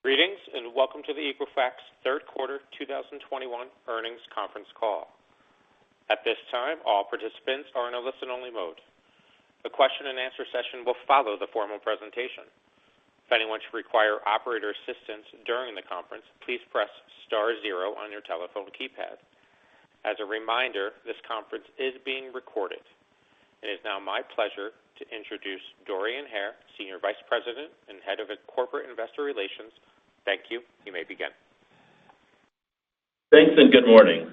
Greetings, and welcome to the Equifax 3rd quarter 2021 earnings conference call. It is now my pleasure to introduce Dorian Hare, Senior Vice President and Head of Corporate Investor Relations. Thank you. You may begin. Thanks. Good morning.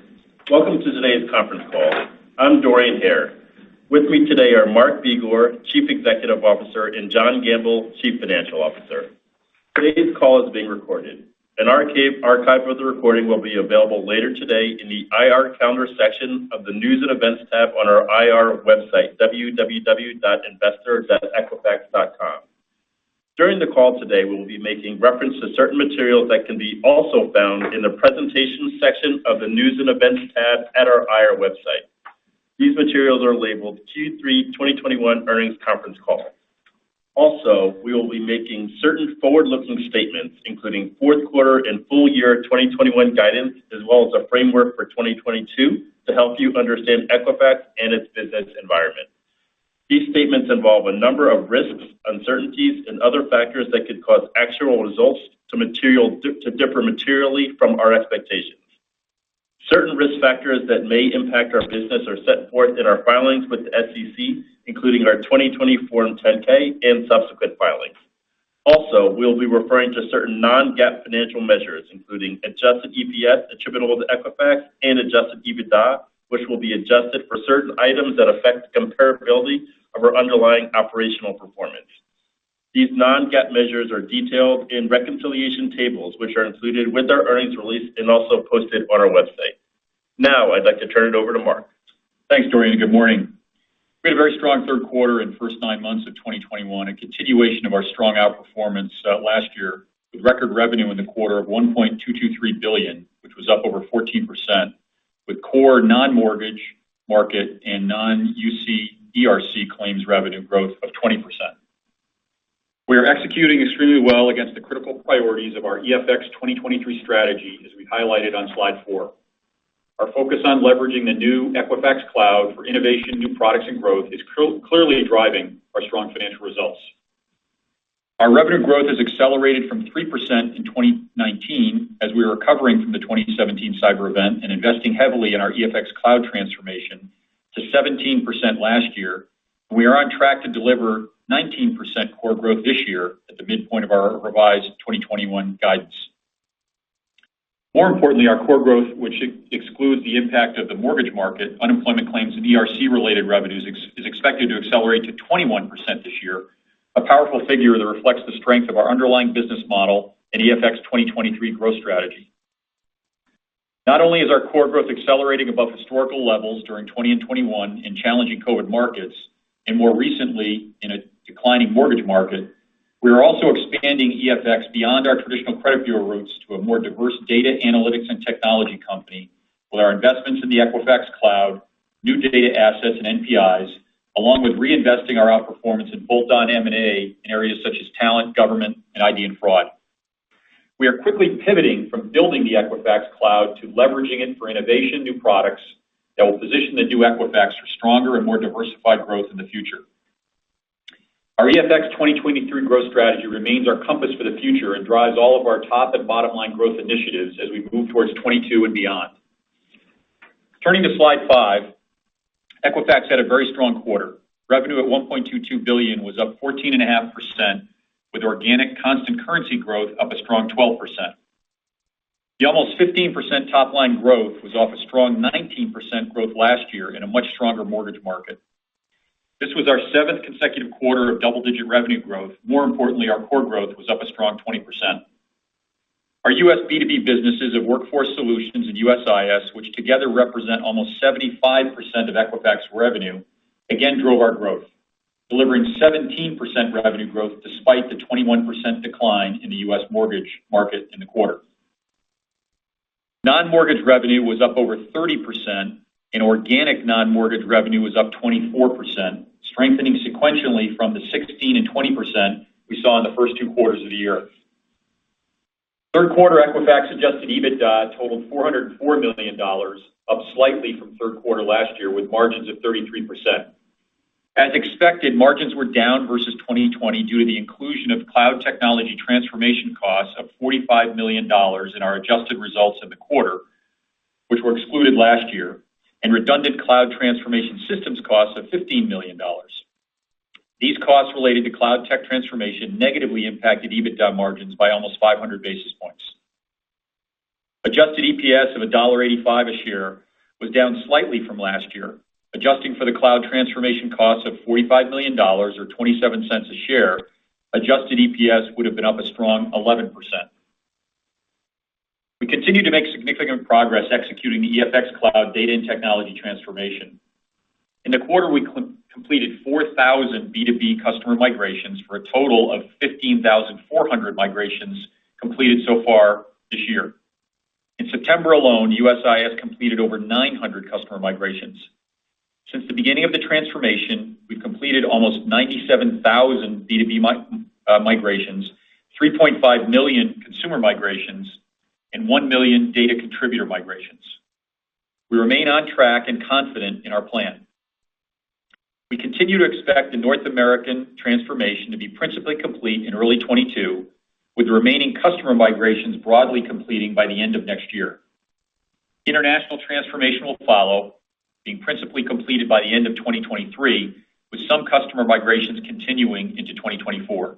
Welcome to today's conference call. I'm Dorian Hare. With me today are Mark Begor, Chief Executive Officer, and John Gamble, Chief Financial Officer. Today's call is being recorded. An archive of the recording will be available later today in the IR Calendar section of the News and Events tab on our IR website, investor.equifax.com. During the call today, we will be making reference to certain materials that can be also found in the Presentations section of the News and Events tab at our IR website. These materials are labeled Q3 2021 Earnings Conference Call. We will be making certain forward-looking statements, including fourth quarter and full year 2021 guidance, as well as a framework for 2022, to help you understand Equifax and its business environment. These statements involve a number of risks, uncertainties, and other factors that could cause actual results to differ materially from our expectations. Certain risk factors that may impact our business are set forth in our filings with the SEC, including our 2020 Form 10-K and subsequent filings. Also, we'll be referring to certain non-GAAP financial measures, including adjusted EPS attributable to Equifax and adjusted EBITDA, which will be adjusted for certain items that affect the comparability of our underlying operational performance. These non-GAAP measures are detailed in reconciliation tables, which are included with our earnings release and also posted on our website. Now, I'd like to turn it over to Mark. Thanks, Dorian. Good morning. We had a very strong third quarter and first nine months of 2021, a continuation of our strong outperformance last year, with record revenue in the quarter of $1.223 billion, which was up over 14%, with core non-mortgage market and non-UC ERC claims revenue growth of 20%. We are executing extremely well against the critical priorities of our EFX2023 Strategy, as we highlighted on slide four. Our focus on leveraging the new Equifax Cloud for innovation, new products, and growth is clearly driving our strong financial results. Our revenue growth has accelerated from 3% in 2019 as we were recovering from the 2017 cyber event and investing heavily in our EFX Cloud transformation to 17% last year. We are on track to deliver 19% core growth this year at the midpoint of our revised 2021 guidance. More importantly, our core growth, which excludes the impact of the mortgage market, unemployment claims and ERC-related revenues, is expected to accelerate to 21% this year. A powerful figure that reflects the strength of our underlying business model and EFX 2023 growth strategy. Not only is our core growth accelerating above historical levels during 2020 and 2021 in challenging COVID markets, and more recently in a declining mortgage market, we are also expanding EFX beyond our traditional credit bureau roots to a more diverse data analytics and technology company with our investments in the Equifax Cloud, new data assets, and NPIs, along with reinvesting our outperformance in bolt-on M&A in areas such as talent, government, and ID and fraud. We are quickly pivoting from building the Equifax Cloud to leveraging it for innovation, new products that will position the new Equifax for stronger and more diversified growth in the future. Our EFX2023 growth strategy remains our compass for the future and drives all of our top and bottom-line growth initiatives as we move towards 2022 and beyond. Turning to slide 5, Equifax had a very strong quarter. Revenue at $1.22 billion was up 14.5%, with organic constant currency growth up a strong 12%. The almost 15% top-line growth was off a strong 19% growth last year in a much stronger mortgage market. This was our seventh consecutive quarter of double-digit revenue growth. More importantly, our core growth was up a strong 20%. Our U.S. B2B businesses of Workforce Solutions and USIS, which together represent almost 75% of Equifax revenue, again drove our growth, delivering 17% revenue growth despite the 21% decline in the mortgage market in the quarter. Non-mortgage revenue was up over 30%, and organic non-mortgage revenue was up 24%, strengthening sequentially from the 16% and 20% we saw in the first two quarters of the year. Third quarter Equifax adjusted EBITDA totaled $404 million, up slightly from third quarter last year, with margins of 33%. As expected, margins were down versus 2020 due to the inclusion of cloud technology transformation costs of $45 million in our adjusted results in the quarter, which were excluded last year, and redundant cloud transformation systems costs of $15 million. These costs related to cloud tech transformation negatively impacted EBITDA margins by almost 500 basis points. Adjusted EPS of $1.85 a share was down slightly from last year. Adjusting for the cloud transformation costs of $45 million, or $0.27 a share, adjusted EPS would have been up a strong 11%. We continue to make significant progress executing the EFX Cloud data and technology transformation. In the quarter, we completed 4,000 B2B customer migrations for a total of 15,400 migrations completed so far this year. In September alone, USIS completed over 900 customer migrations. Since the beginning of the transformation, we've completed almost 97,000 B2B migrations, 3.5 million consumer migrations, and one million data contributor migrations. We remain on track and confident in our plan. We continue to expect the North American transformation to be principally complete in early 2022, with the remaining customer migrations broadly completing by the end of next year. International transformation will follow, being principally completed by the end of 2023, with some customer migrations continuing into 2024.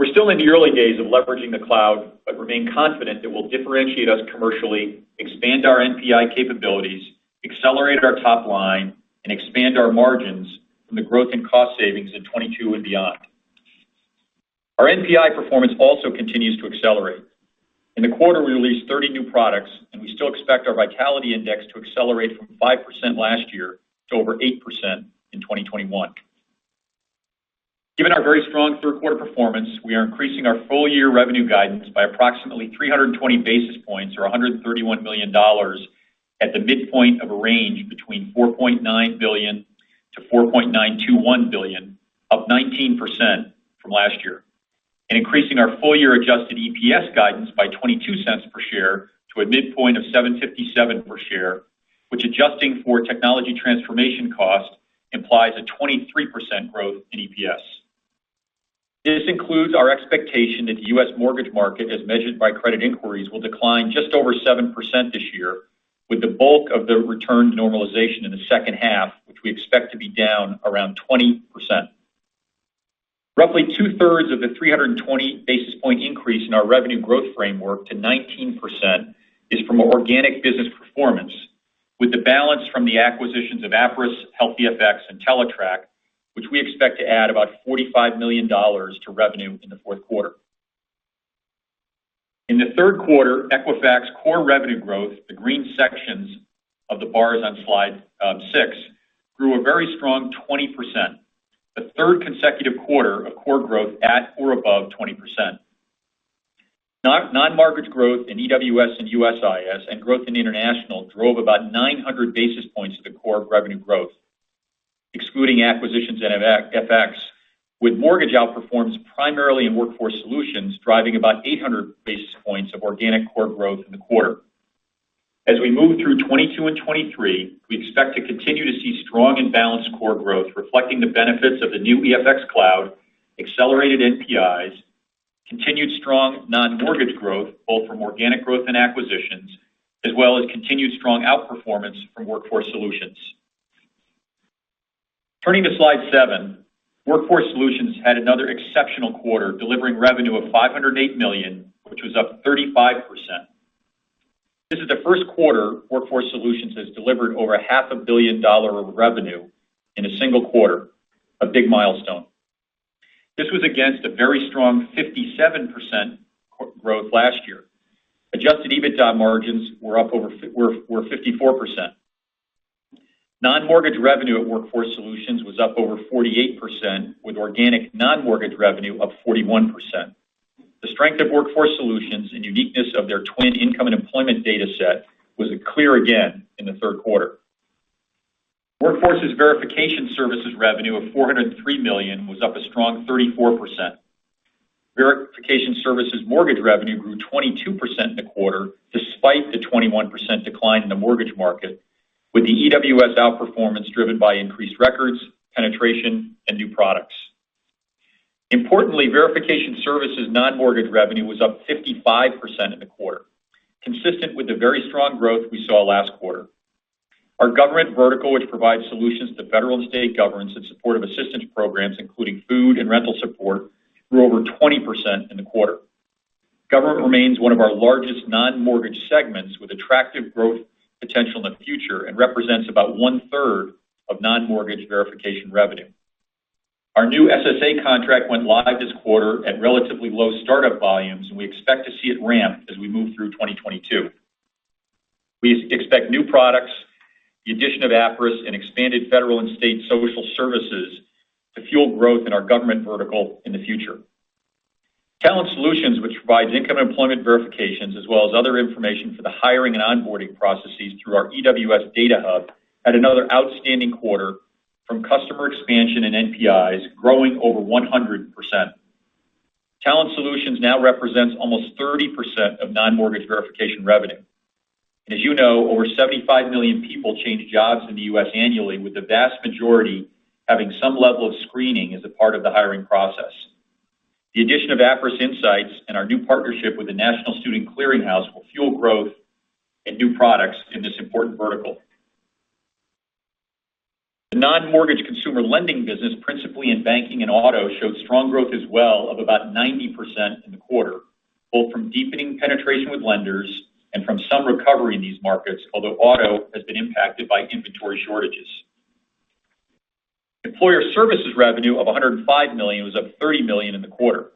We're still in the early days of leveraging the cloud, remain confident it will differentiate us commercially, expand our NPI capabilities, accelerate our top line, and expand our margins from the growth in cost savings in 2022 and beyond. Our NPI performance also continues to accelerate. In the quarter, we released 30 new products, we still expect our Vitality Index to accelerate from 5% last year to over 8% in 2021. Given our very strong third quarter performance, we are increasing our full year revenue guidance by approximately 320 basis points or $131 million at the midpoint of a range between $4.9 billion-$4.921 billion, up 19% from last year. Increasing our full year adjusted EPS guidance by $0.22 per share to a midpoint of $7.57 per share, which adjusting for Technology Transformation cost implies a 23% growth in EPS. This includes our expectation that the U.S. mortgage market, as measured by credit inquiries, will decline just over 7% this year with the bulk of the return to normalization in the second half, which we expect to be down around 20%. Roughly two-thirds of the 320 basis point increase in our revenue growth framework to 19% is from organic business performance. With the balance from the acquisitions of Appriss, Health e(fx), and Teletrack, which we expect to add about $45 million to revenue in the fourth quarter. In the third quarter, Equifax core revenue growth, the green sections of the bars on slide six, grew a very strong 20%, the third consecutive quarter of core growth at or above 20%. Non-mortgage growth in EWS and USIS and growth in international drove about 900 basis points of the core revenue growth, excluding acquisitions and FX, with mortgage outperforms primarily in Workforce Solutions, driving about 800 basis points of organic core growth in the quarter. As we move through 2022 and 2023, we expect to continue to see strong and balanced core growth, reflecting the benefits of the new Equifax Cloud, accelerated NPIs, continued strong non-mortgage growth, both from organic growth and acquisitions, as well as continued strong outperformance from Workforce Solutions. Turning to slide seven, Workforce Solutions had another exceptional quarter, delivering revenue of $508 million, which was up 35%. This is the first quarter Workforce Solutions has delivered over a half a billion dollar of revenue in a single quarter, a big milestone. This was against a very strong 57% growth last year. Adjusted EBITDA margins were 54%. Non-mortgage revenue at Workforce Solutions was up over 48%, with organic non-mortgage revenue up 41%. The strength of Workforce Solutions and uniqueness of their twin income and employment data set was clear again in the third quarter. Workforce's verification services revenue of $403 million was up a strong 34%. Verification services mortgage revenue grew 22% in the quarter, despite the 21% decline in the mortgage market, with the EWS outperformance driven by increased records, penetration, and new products. Importantly, verification services non-mortgage revenue was up 55% in the quarter, consistent with the very strong growth we saw last quarter. Our government vertical, which provides solutions to federal and state governments in support of assistance programs, including food and rental support, grew over 20% in the quarter. Government remains one of our largest non-mortgage segments with attractive growth potential in the future and represents about one-third of non-mortgage verification revenue. Our new SSA contract went live this quarter at relatively low startup volumes, and we expect to see it ramp as we move through 2022. We expect new products, the addition of Appriss, and expanded federal and state social services to fuel growth in our government vertical in the future. Talent Solutions, which provides income employment verifications as well as other information for the hiring and onboarding processes through our EWS data hub, had another outstanding quarter from customer expansion and NPIs growing over 100%. Talent Solutions now represents almost 30% of non-mortgage verification revenue. As you know, over 75 million people change jobs in the U.S. annually, with the vast majority having some level of screening as a part of the hiring process. The addition of Appriss Insights and our new partnership with the National Student Clearinghouse will fuel growth and new products in this important vertical. The non-mortgage consumer lending business, principally in banking and auto, showed strong growth as well of about 90% in the quarter, both from deepening penetration with lenders and from some recovery in these markets, although auto has been impacted by inventory shortages. Employer services revenue of $105 million was up $30 million in the quarter.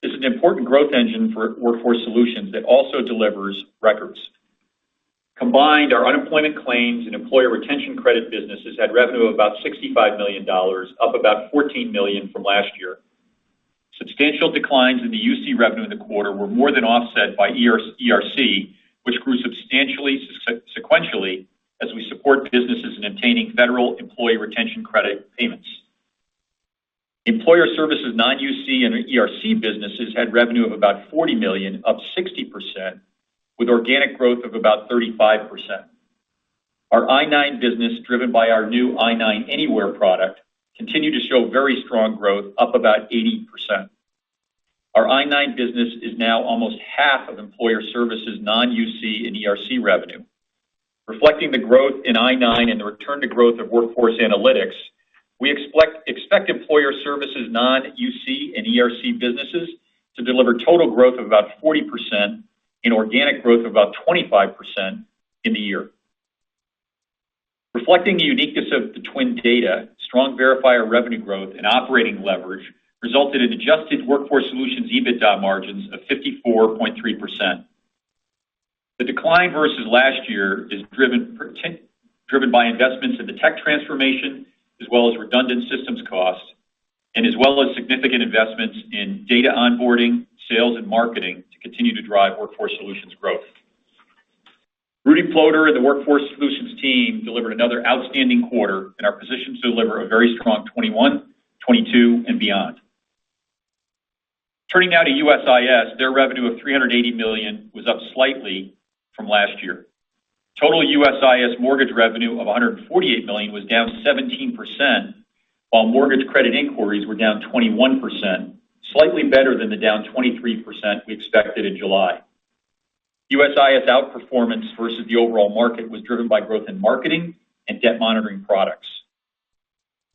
This is an important growth engine for Workforce Solutions that also delivers records. Combined, our Unemployment Claims and Employee Retention Credit businesses had revenue of about $65 million, up about $14 million from last year. Substantial declines in the UC revenue in the quarter were more than offset by ERC, which grew substantially sequentially as we support businesses in obtaining federal Employee Retention Credit payments. Employer services non-UC and ERC businesses had revenue of about $40 million, up 60%, with organic growth of about 35%. Our I-9 business, driven by our new I-9 Anywhere product, continued to show very strong growth, up about 80%. Our I-9 business is now almost half of employer services non-UC and ERC revenue. Reflecting the growth in I-9 and the return to growth of Workforce Analytics, we expect employer services non-UC and ERC businesses to deliver total growth of about 40% and organic growth of about 25% in the year. Reflecting the uniqueness of the TWN data, strong verifier revenue growth and operating leverage resulted in adjusted Workforce Solutions EBITDA margins of 54.3%. The decline versus last year is driven by investments in the tech transformation, as well as redundant systems costs, and significant investments in data onboarding, sales, and marketing to continue to drive Workforce Solutions growth. Rudy Ploder and the Workforce Solutions team delivered another outstanding quarter and are positioned to deliver a very strong 2021, 2022, and beyond. Turning now to USIS, their revenue of $380 million was up slightly from last year. Total USIS mortgage revenue of $148 million was down 17%, while mortgage credit inquiries were down 21%, slightly better than the down 23% we expected in July. USIS outperformance versus the overall market was driven by growth in marketing and debt monitoring products.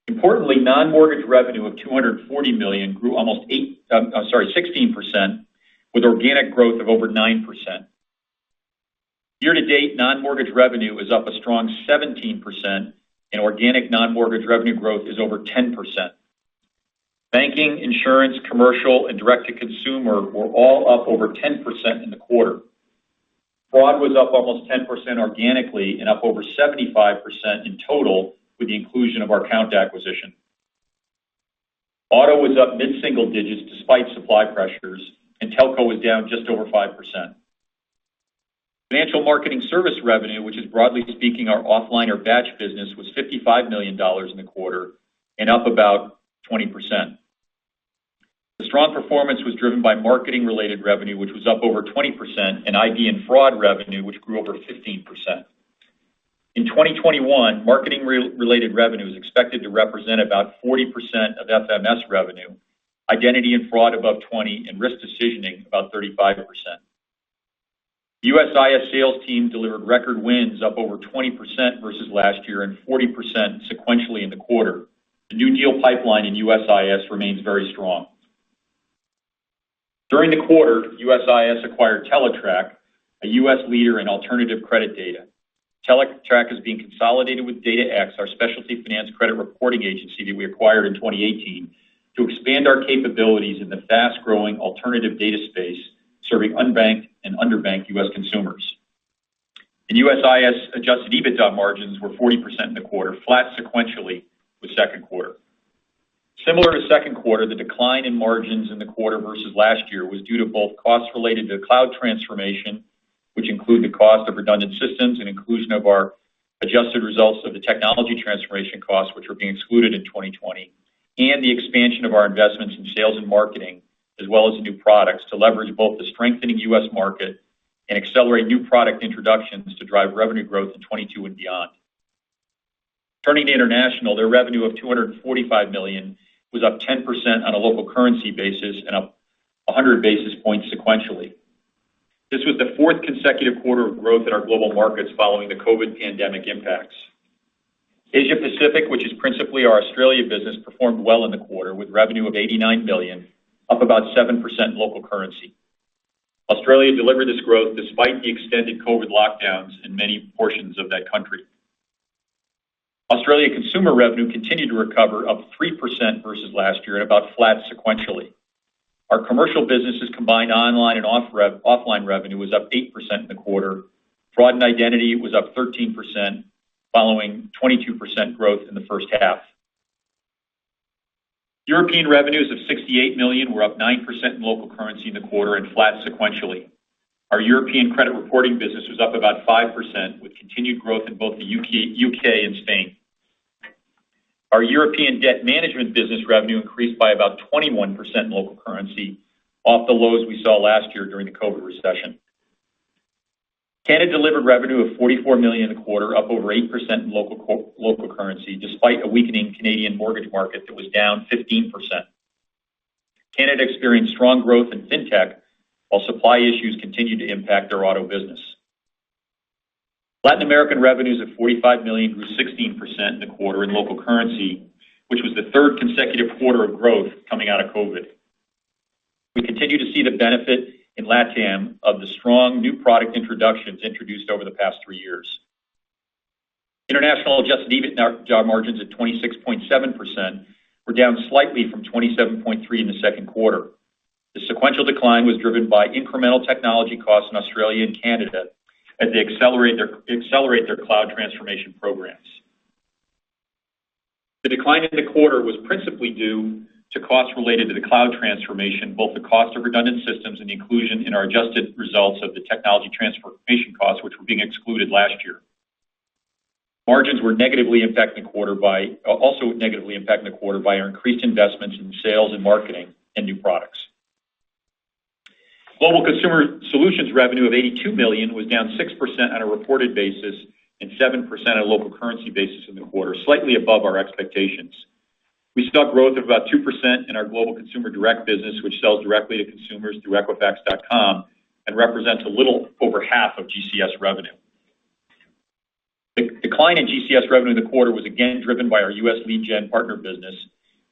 Importantly, non-mortgage revenue of $240 million grew almost 16%, with organic growth of over 9%. Year-to-date, non-mortgage revenue is up a strong 17%, and organic non-mortgage revenue growth is over 10%. Banking, insurance, commercial, and direct-to-consumer were all up over 10% in the quarter. Fraud was up almost 10% organically and up over 75% in total with the inclusion of our Kount acquisition. Auto was up mid-single digits despite supply pressures, and telco was down just over 5%. Financial marketing service revenue, which is broadly speaking our offline or batch business, was $55 million in the quarter and up about 20%. The strong performance was driven by marketing-related revenue, which was up over 20%, and ID and fraud revenue, which grew over 15%. In 2021, marketing-related revenue is expected to represent about 40% of FMS revenue, identity and fraud above 20%, and risk decisioning about 35%. The USIS sales team delivered record wins up over 20% versus last year and 40% sequentially in the quarter. The new deal pipeline in USIS remains very strong. During the quarter, USIS acquired Teletrack, a U.S. leader in alternative credit data. Teletrack is being consolidated with DataX, our specialty finance credit reporting agency that we acquired in 2018, to expand our capabilities in the fast-growing alternative data space, serving unbanked and underbanked U.S. consumers. In USIS, adjusted EBITDA margins were 40% in the quarter, flat sequentially with second quarter. Similar to second quarter, the decline in margins in the quarter versus last year was due to both costs related to cloud transformation, which include the cost of redundant systems and inclusion of our adjusted results of the technology transformation costs, which were being excluded in 2020, and the expansion of our investments in sales and marketing, as well as new products to leverage both the strengthening U.S. market and accelerate new product introductions to drive revenue growth in 2022 and beyond. Turning to international, their revenue of $245 million was up 10% on a local currency basis and up 100 basis points sequentially. This was the fourth consecutive quarter of growth in our global markets following the COVID pandemic impacts. Asia Pacific, which is principally our Australia business, performed well in the quarter, with revenue of $89 million, up about 7% in local currency. Australia delivered this growth despite the extended COVID lockdowns in many portions of that country. Australia consumer revenue continued to recover, up 3% versus last year and about flat sequentially. Our commercial businesses combined online and offline revenue was up 8% in the quarter. Fraud and identity was up 13%, following 22% growth in the first half. European revenues of $68 million were up 9% in local currency in the quarter and flat sequentially. Our European credit reporting business was up about 5%, with continued growth in both the U.K. and Spain. Our European debt management business revenue increased by about 21% in local currency, off the lows we saw last year during the COVID recession. Canada delivered revenue of $44 million in the quarter, up over 8% in local currency, despite a weakening Canadian mortgage market that was down 15%. Canada experienced strong growth in Fintech, while supply issues continued to impact their auto business. Latin American revenues of $45 million grew 16% in the quarter in local currency, which was the third consecutive quarter of growth coming out of COVID. We continue to see the benefit in LATAM of the strong new product introductions introduced over the past three years. International adjusted EBITDA margins at 26.7% were down slightly from 27.3% in the second quarter. The sequential decline was driven by incremental technology costs in Australia and Canada as they accelerate their cloud transformation programs. The decline in the quarter was principally due to costs related to the cloud transformation, both the cost of redundant systems and the inclusion in our adjusted results of the technology transformation costs, which were being excluded last year. Margins were also negatively impacting the quarter by our increased investments in sales and marketing and new products. Global Consumer Solutions revenue of $82 million was down 6% on a reported basis and 7% on a local currency basis in the quarter, slightly above our expectations. We saw growth of about 2% in our global consumer direct business, which sells directly to consumers through equifax.com and represents a little over half of GCS revenue. The decline in GCS revenue in the quarter was again driven by our U.S. lead gen partner business.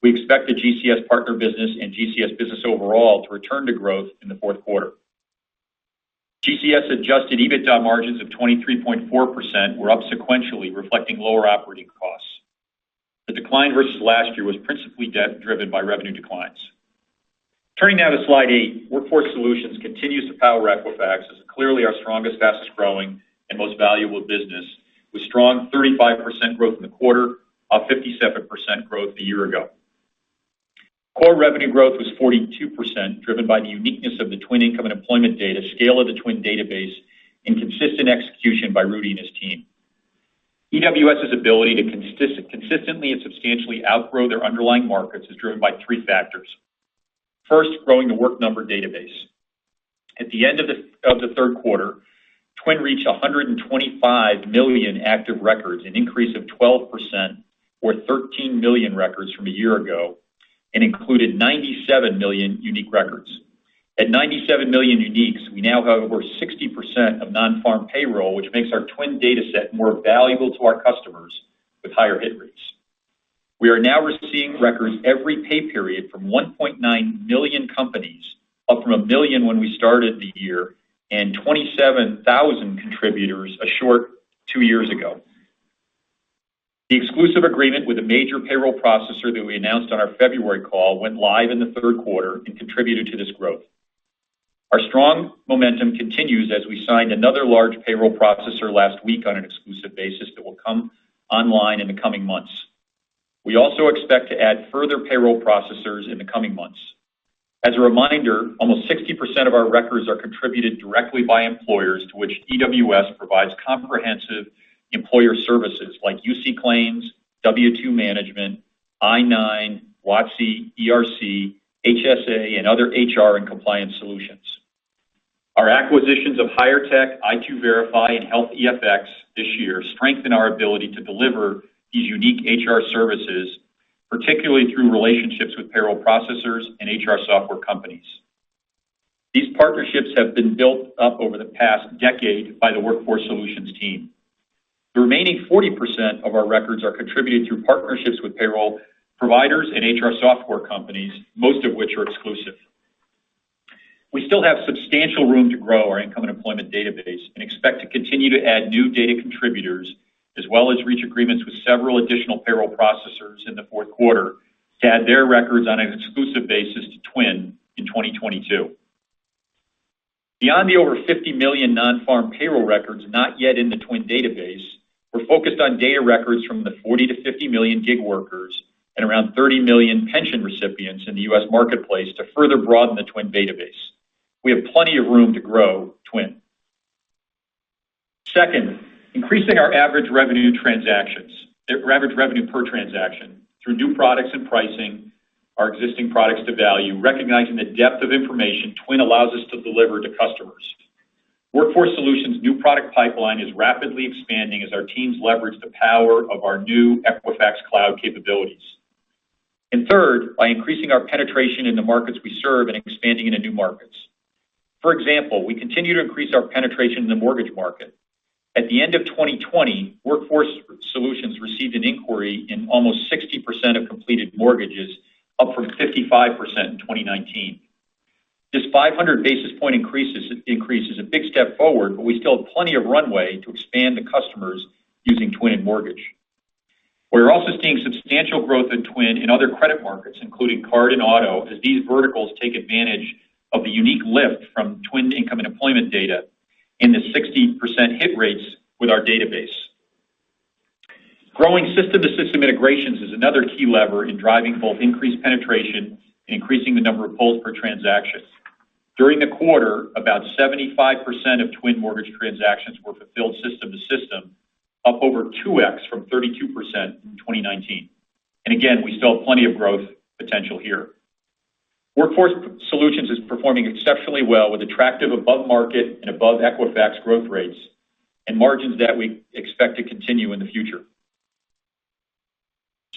We expect the GCS partner business and GCS business overall to return to growth in the fourth quarter. GCS adjusted EBITDA margins of 23.4% were up sequentially, reflecting lower operating costs. The decline versus last year was principally driven by revenue declines. Turning now to slide eight, Workforce Solutions continues to power Equifax as clearly our strongest, fastest-growing, and most valuable business. With strong 35% growth in the quarter off 57% growth a year ago. Core revenue growth was 42%, driven by the uniqueness of The Work Number income and employment data scale of The Work Number database and consistent execution by Rudy and his team. EWS's ability to consistently and substantially outgrow their underlying markets is driven by three factors. First, growing The Work Number database. At the end of the third quarter, TWN reached 125 million active records, an increase of 12% or 13 million records from a year ago, and included 97 million unique records. At 97 million uniques, we now have over 60% of non-farm payroll, which makes our TWN dataset more valuable to our customers with higher hit rates. We are now receiving records every pay period from 1.9 million companies, up from one million when we started the year, and 27,000 contributors a short two years ago. The exclusive agreement with a major payroll processor that we announced on our February call went live in the third quarter and contributed to this growth. Our strong momentum continues as we signed another large payroll processor last week on an exclusive basis that will come online in the coming months. We also expect to add further payroll processors in the coming months. As a reminder, almost 60% of our records are contributed directly by employers to which EWS provides comprehensive employer services like UC claims, W2 management, I-9, WOTC, ERC, HSA, and other HR and compliance solutions. Our acquisitions of HIREtech, i2verify, and Health e(fx) this year strengthen our ability to deliver these unique HR services, particularly through relationships with payroll processors and HR software companies. These partnerships have been built up over the past decade by the Workforce Solutions team. The remaining 40% of our records are contributed through partnerships with payroll providers and HR software companies, most of which are exclusive. We still have substantial room to grow our income and employment database and expect to continue to add new data contributors, as well as reach agreements with several additional payroll processors in the fourth quarter to add their records on an exclusive basis to The Work Number in 2022. Beyond the over 50 million non-farm payroll records not yet in the TWN database, we're focused on data records from the 40 million-50 million gig workers and around 30 million pension recipients in the U.S. marketplace to further broaden the TWN database. We have plenty of room to grow TWN. Second, increasing our average revenue per transaction through new products and pricing our existing products to value, recognizing the depth of information TWN allows us to deliver to customers. Workforce Solutions' new product pipeline is rapidly expanding as our teams leverage the power of our new Equifax Cloud capabilities. Third, by increasing our penetration in the markets we serve and expanding into new markets. For example, we continue to increase our penetration in the mortgage market. At the end of 2020, Workforce Solutions received an inquiry in almost 60% of completed mortgages, up from 55% in 2019. This 500 basis point increase is a big step forward, but we still have plenty of runway to expand to customers using The Work Number in mortgage. We're also seeing substantial growth in The Work Number in other credit markets, including card and auto, as these verticals take advantage of the unique lift from The Work Number income and employment data in the 60% hit rates with our database. Growing system-to-system integrations is another key lever in driving both increased penetration and increasing the number of pulls per transaction. During the quarter, about 75% of The Work Number mortgage transactions were fulfilled system to system, up over 2x from 32% in 2019. Again, we still have plenty of growth potential here. Workforce Solutions is performing exceptionally well with attractive above-market and above Equifax growth rates and margins that we expect to continue in the future.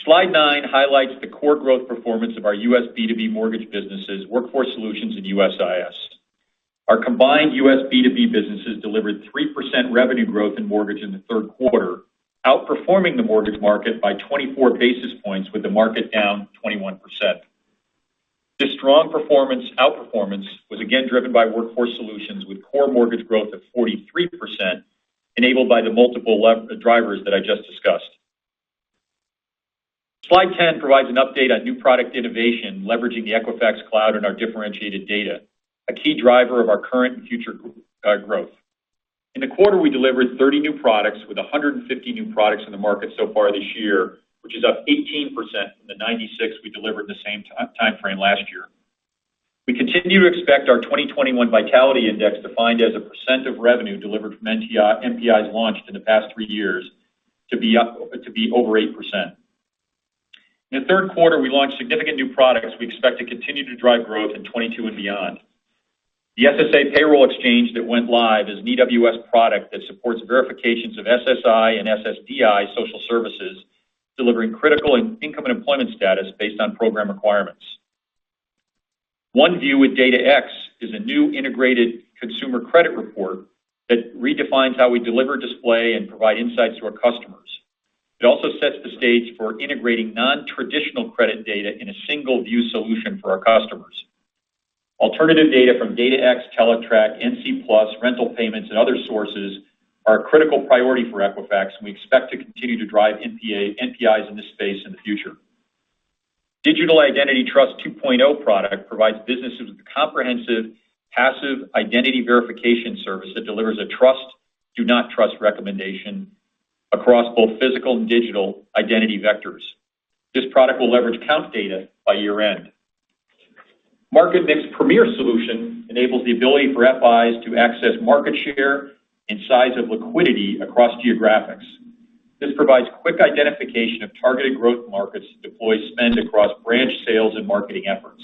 Slide 9 highlights the core growth performance of our U.S. B2B mortgage businesses, Workforce Solutions, and USIS. Our combined U.S. B2B businesses delivered 3% revenue growth in mortgage in the third quarter, outperforming the mortgage market by 24 basis points, with the market down 21%. This strong outperformance was again driven by Workforce Solutions, with core mortgage growth of 43%, enabled by the multiple drivers that I just discussed. Slide 10 provides an update on new product innovation leveraging the Equifax Cloud and our differentiated data, a key driver of our current and future growth. In the quarter, we delivered 30 new products with 150 new products in the market so far this year, which is up 18% from the 96 we delivered in the same time frame last year. We continue to expect our 2021 Vitality Index, defined as a percentage of revenue delivered from NPIs launched in the past three years, to be over 8%. In the third quarter, we launched significant new products we expect to continue to drive growth in 2022 and beyond. The SSA Payroll Exchange that went live is an EWS product that supports verifications of SSI and SSDI social services, delivering critical income and employment status based on program requirements. OneView with DataX is a new integrated consumer credit report that redefines how we deliver, display, and provide insights to our customers. It also sets the stage for integrating non-traditional credit data in a single-view solution for our customers. Alternative data from DataX, Teletrack, NCTUE Plus, rental payments, and other sources are a critical priority for Equifax, and we expect to continue to drive NPIs in this space in the future. Digital Identity Trust 2.0 product provides businesses with a comprehensive passive identity verification service that delivers a trust/do not trust recommendation across both physical and digital identity vectors. This product will leverage Kount data by year-end. MarketMix Premier solution enables the ability for FIs to access market share and size of liquidity across geographics. This provides quick identification of targeted growth markets to deploy spend across branch sales and marketing efforts.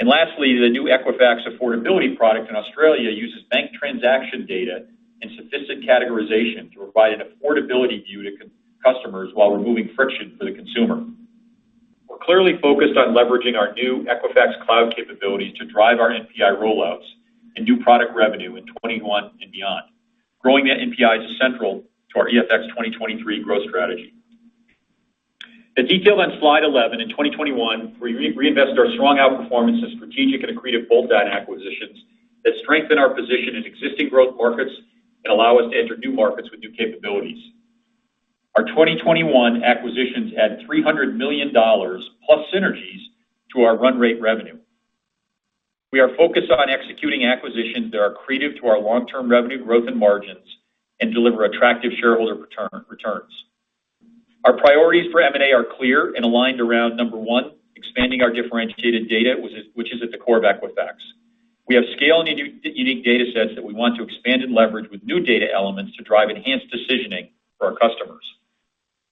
Lastly, the new Equifax Affordability product in Australia uses bank transaction data and sophisticated categorization to provide an affordability view to customers while removing friction for the consumer. We're clearly focused on leveraging our new Equifax Cloud capabilities to drive our NPI rollouts and new product revenue in 2021 and beyond. Growing that NPI is central to our EFX2023 Strategy. As detailed on slide 11, in 2021, we reinvested our strong outperformance in strategic and accretive bolt-on acquisitions that strengthen our position in existing growth markets and allow us to enter new markets with new capabilities. Our 2021 acquisitions add $300 million plus synergies to our run rate revenue. We are focused on executing acquisitions that are accretive to our long-term revenue growth and margins and deliver attractive shareholder returns. Our priorities for M&A are clear and aligned around, number one, expanding our differentiated data, which is at the core of Equifax. We have scale and unique data sets that we want to expand and leverage with new data elements to drive enhanced decisioning for our customers.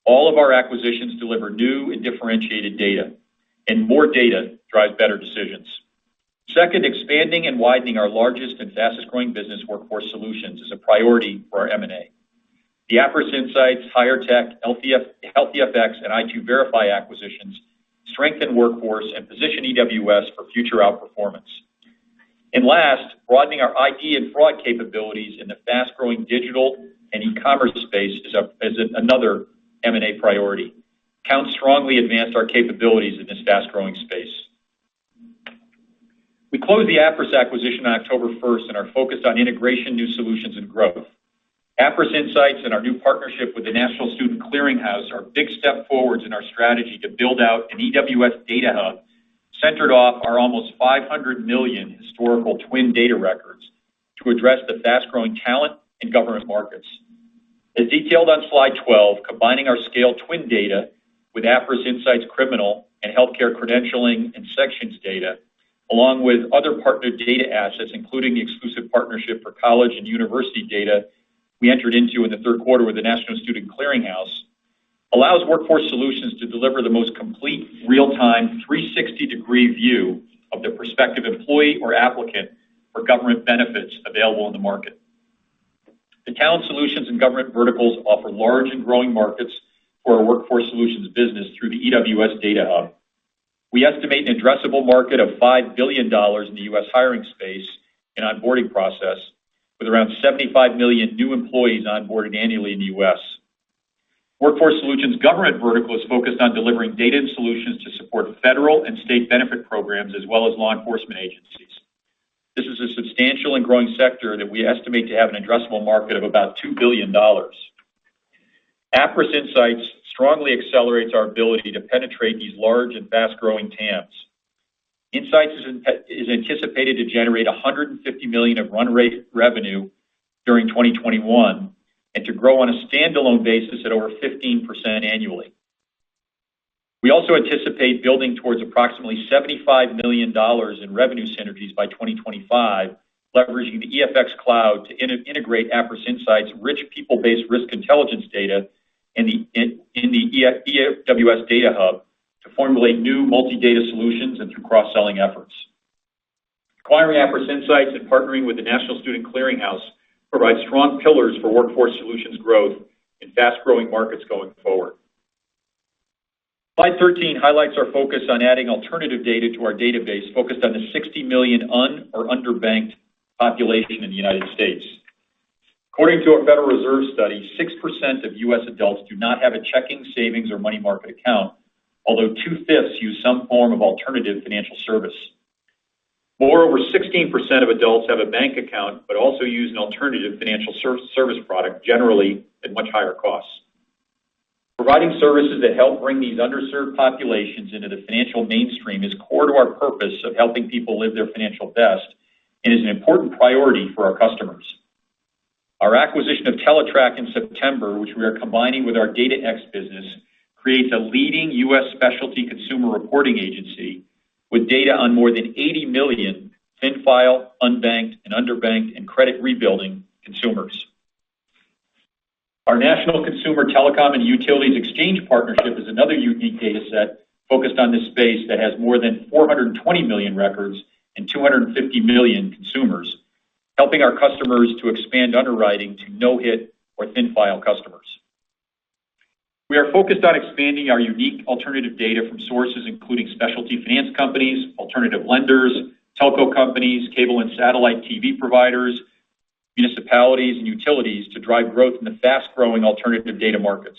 All of our acquisitions deliver new and differentiated data, and more data drives better decisions. Second, expanding and widening our largest and fastest-growing business Workforce Solutions is a priority for our M&A. The Appriss Insights, HIREtech, Health e(fx), and i2verify acquisitions strengthen Workforce and position EWS for future outperformance. Last, broadening our ID and fraud capabilities in the fast-growing digital and e-commerce space is another M&A priority. Kount strongly advanced our capabilities in this fast-growing space. We closed the Appriss acquisition on October 1st and are focused on integration, new solutions, and growth. Appriss Insights and our new partnership with the National Student Clearinghouse are big step forwards in our strategy to build out an EWS data hub centered off our almost 500 million historical TWN data records to address the fast-growing talent in government markets. As detailed on slide 12, combining our scale twin data with Appriss Insights' criminal and healthcare credentialing and sanctions data, along with other partner data assets, including the exclusive partnership for college and university data we entered into in the third quarter with the National Student Clearinghouse, allows Workforce Solutions to deliver the most complete real-time 360-degree view of the prospective employee or applicant for government benefits available in the market. The Talent Solutions and government verticals offer large and growing markets for our Workforce Solutions business through the EWS data hub. We estimate an addressable market of $5 billion in the U.S. hiring space and onboarding process, with around 75 million new employees onboarded annually in the U.S. Workforce Solutions government vertical is focused on delivering data and solutions to support federal and state benefit programs as well as law enforcement agencies. This is a substantial and growing sector that we estimate to have an addressable market of about $2 billion. Appriss Insights strongly accelerates our ability to penetrate these large and fast-growing TAMs. Insights is anticipated to generate $150 million of run-rate revenue during 2021, and to grow on a standalone basis at over 15% annually. We also anticipate building towards approximately $75 million in revenue synergies by 2025, leveraging the EFX Cloud to integrate Appriss Insights' rich people-based risk intelligence data in the EWS data hub to formulate new multi-data solutions and through cross-selling efforts. Acquiring Appriss Insights and partnering with the National Student Clearinghouse provides strong pillars for Workforce Solutions growth in fast-growing markets going forward. Slide 13 highlights our focus on adding alternative data to our database focused on the 60 million un or underbanked population in the U.S. According to a Federal Reserve study, 6% of U.S. adults do not have a checking, savings, or money market account. Although two-fifths use some form of alternative financial service. Moreover, 16% of adults have a bank account but also use an alternative financial service product, generally at much higher costs. Providing services that help bring these underserved populations into the financial mainstream is core to our purpose of helping people live their financial best and is an important priority for our customers. Our acquisition of Teletrack in September, which we are combining with our DataX business, creates a leading U.S. specialty consumer reporting agency with data on more than 80 million thin-file, unbanked, and underbanked, and credit rebuilding consumers. Our National Consumer Telecom and utilities exchange partnership is another unique data set focused on this space that has more than 420 million records and 250 million consumers, helping our customers to expand underwriting to no-hit or thin-file customers. We are focused on expanding our unique alternative data from sources including specialty finance companies, alternative lenders, telco companies, cable and satellite TV providers, municipalities, and utilities to drive growth in the fast-growing alternative data markets.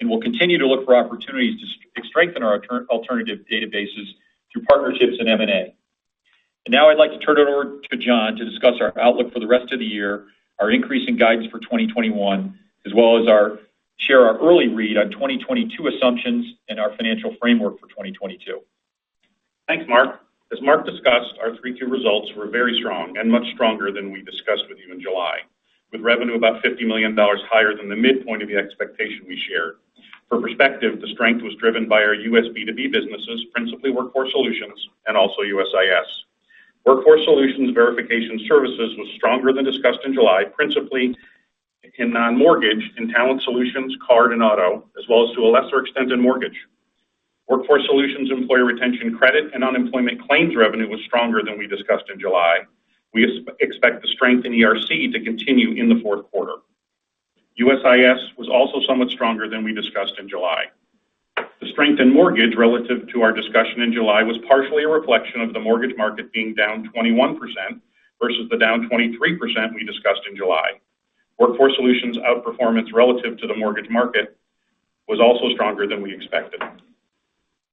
We will continue to look for opportunities to strengthen our alternative databases through partnerships and M&A. Now I'd like to turn it over to John to discuss our outlook for the rest of the year, our increasing guidance for 2021, as well as share our early read on 2022 assumptions and our financial framework for 2022. Thanks, Mark. As Mark discussed, our Q3 results were very strong and much stronger than we discussed with you in July, with revenue about $50 million higher than the midpoint of the expectation we shared. For perspective, the strength was driven by our U.S. B2B businesses, principally Workforce Solutions and also USIS. Workforce Solutions verification services was stronger than discussed in July, principally in non-mortgage, in Talent Solutions, card, and auto, as well as to a lesser extent in mortgage. Workforce Solutions Employee Retention Credit and Unemployment Claims revenue was stronger than we discussed in July. We expect the strength in ERC to continue in the fourth quarter. USIS was also somewhat stronger than we discussed in July. The strength in mortgage relative to our discussion in July was partially a reflection of the mortgage market being down 21% versus the down 23% we discussed in July. Workforce Solutions' outperformance relative to the mortgage market was also stronger than we expected.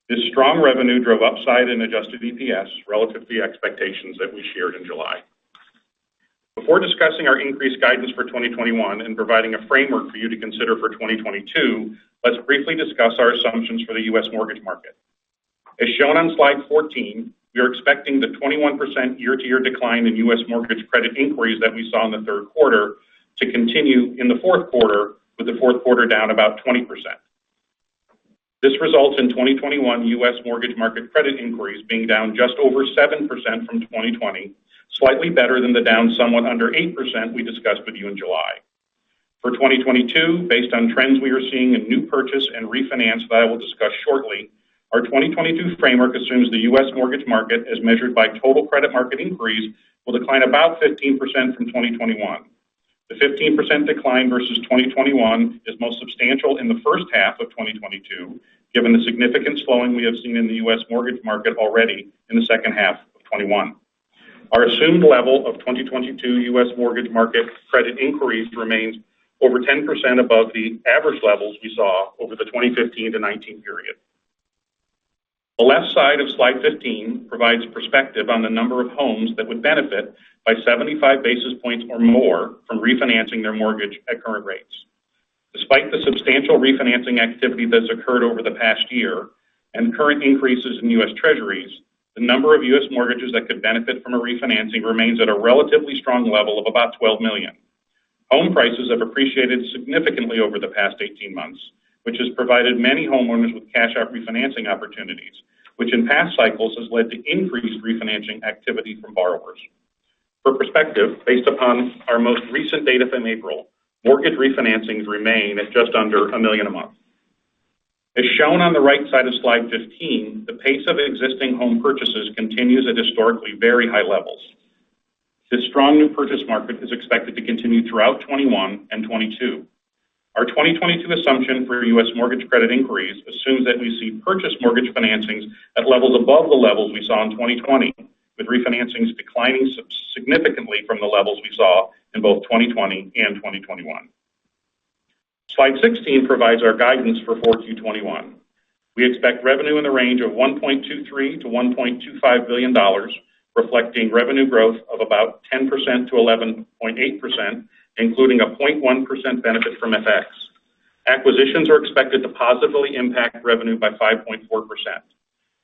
This strong revenue drove upside in adjusted EPS relative to the expectations that we shared in July. Before discussing our increased guidance for 2021 and providing a framework for you to consider for 2022, let's briefly discuss our assumptions for the U.S. mortgage market. As shown on slide 14, we are expecting the 21% year-over-year decline in U.S. mortgage credit inquiries that we saw in the third quarter to continue in the fourth quarter, with the fourth quarter down about 20%. This results in 2021 U.S. mortgage market credit inquiries being down just over 7% from 2020, slightly better than the down somewhat under 8% we discussed with you in July. For 2022, based on trends we are seeing in new purchase and refinance that I will discuss shortly, our 2022 framework assumes the U.S. mortgage market, as measured by total credit market inquiries, will decline about 15% from 2021. The 15% decline versus 2021 is most substantial in the first half of 2022, given the significant slowing we have seen in the U.S. mortgage market already in the second half of 2021. Our assumed level of 2022 U.S. mortgage market credit inquiries remains over 10% above the average levels we saw over the 2015 to 2019 period. The left side of slide 15 provides perspective on the number of homes that would benefit by 75 basis points or more from refinancing their mortgage at current rates. Despite the substantial refinancing activity that's occurred over the past year and current increases in U.S. Treasuries, the number of U.S. mortgages that could benefit from a refinancing remains at a relatively strong level of about 12 million. Home prices have appreciated significantly over the past 18 months, which has provided many homeowners with cash-out refinancing opportunities, which in past cycles has led to increased refinancing activity from borrowers. For perspective, based upon our most recent data from April, mortgage refinancings remain at just under 1 million a month. As shown on the right side of slide 15, the pace of existing home purchases continues at historically very high levels. This strong new purchase market is expected to continue throughout 2021 and 2022. Our 2022 assumption for U.S. mortgage credit inquiries assumes that we see purchase mortgage financings at levels above the levels we saw in 2020, with refinancings declining significantly from the levels we saw in both 2020 and 2021. Slide 16 provides our guidance for 4Q21. We expect revenue in the range of $1.23 billion-$1.25 billion, reflecting revenue growth of about 10%-11.8%, including a 0.1% benefit from FX. Acquisitions are expected to positively impact revenue by 5.4%.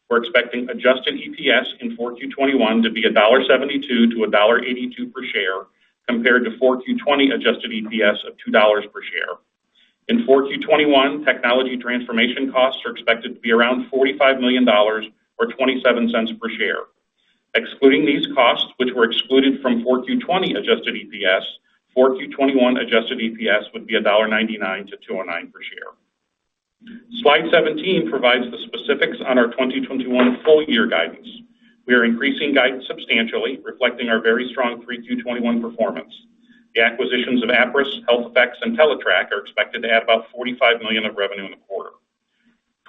We're expecting adjusted EPS in 4Q21 to be $1.72-$1.82 per share, compared to 4Q20 adjusted EPS of $2 per share. In 4Q21, technology transformation costs are expected to be around $45 million, or $0.27 per share. Excluding these costs, which were excluded from 4Q20 adjusted EPS, 4Q21 adjusted EPS would be $1.99-$2.09 per share. Slide 17 provides the specifics on our 2021 full-year guidance. We are increasing guidance substantially, reflecting our very strong 3Q21 performance. The acquisitions of Appriss, Health e(fx), and Teletrack are expected to add about $45 million of revenue in the quarter.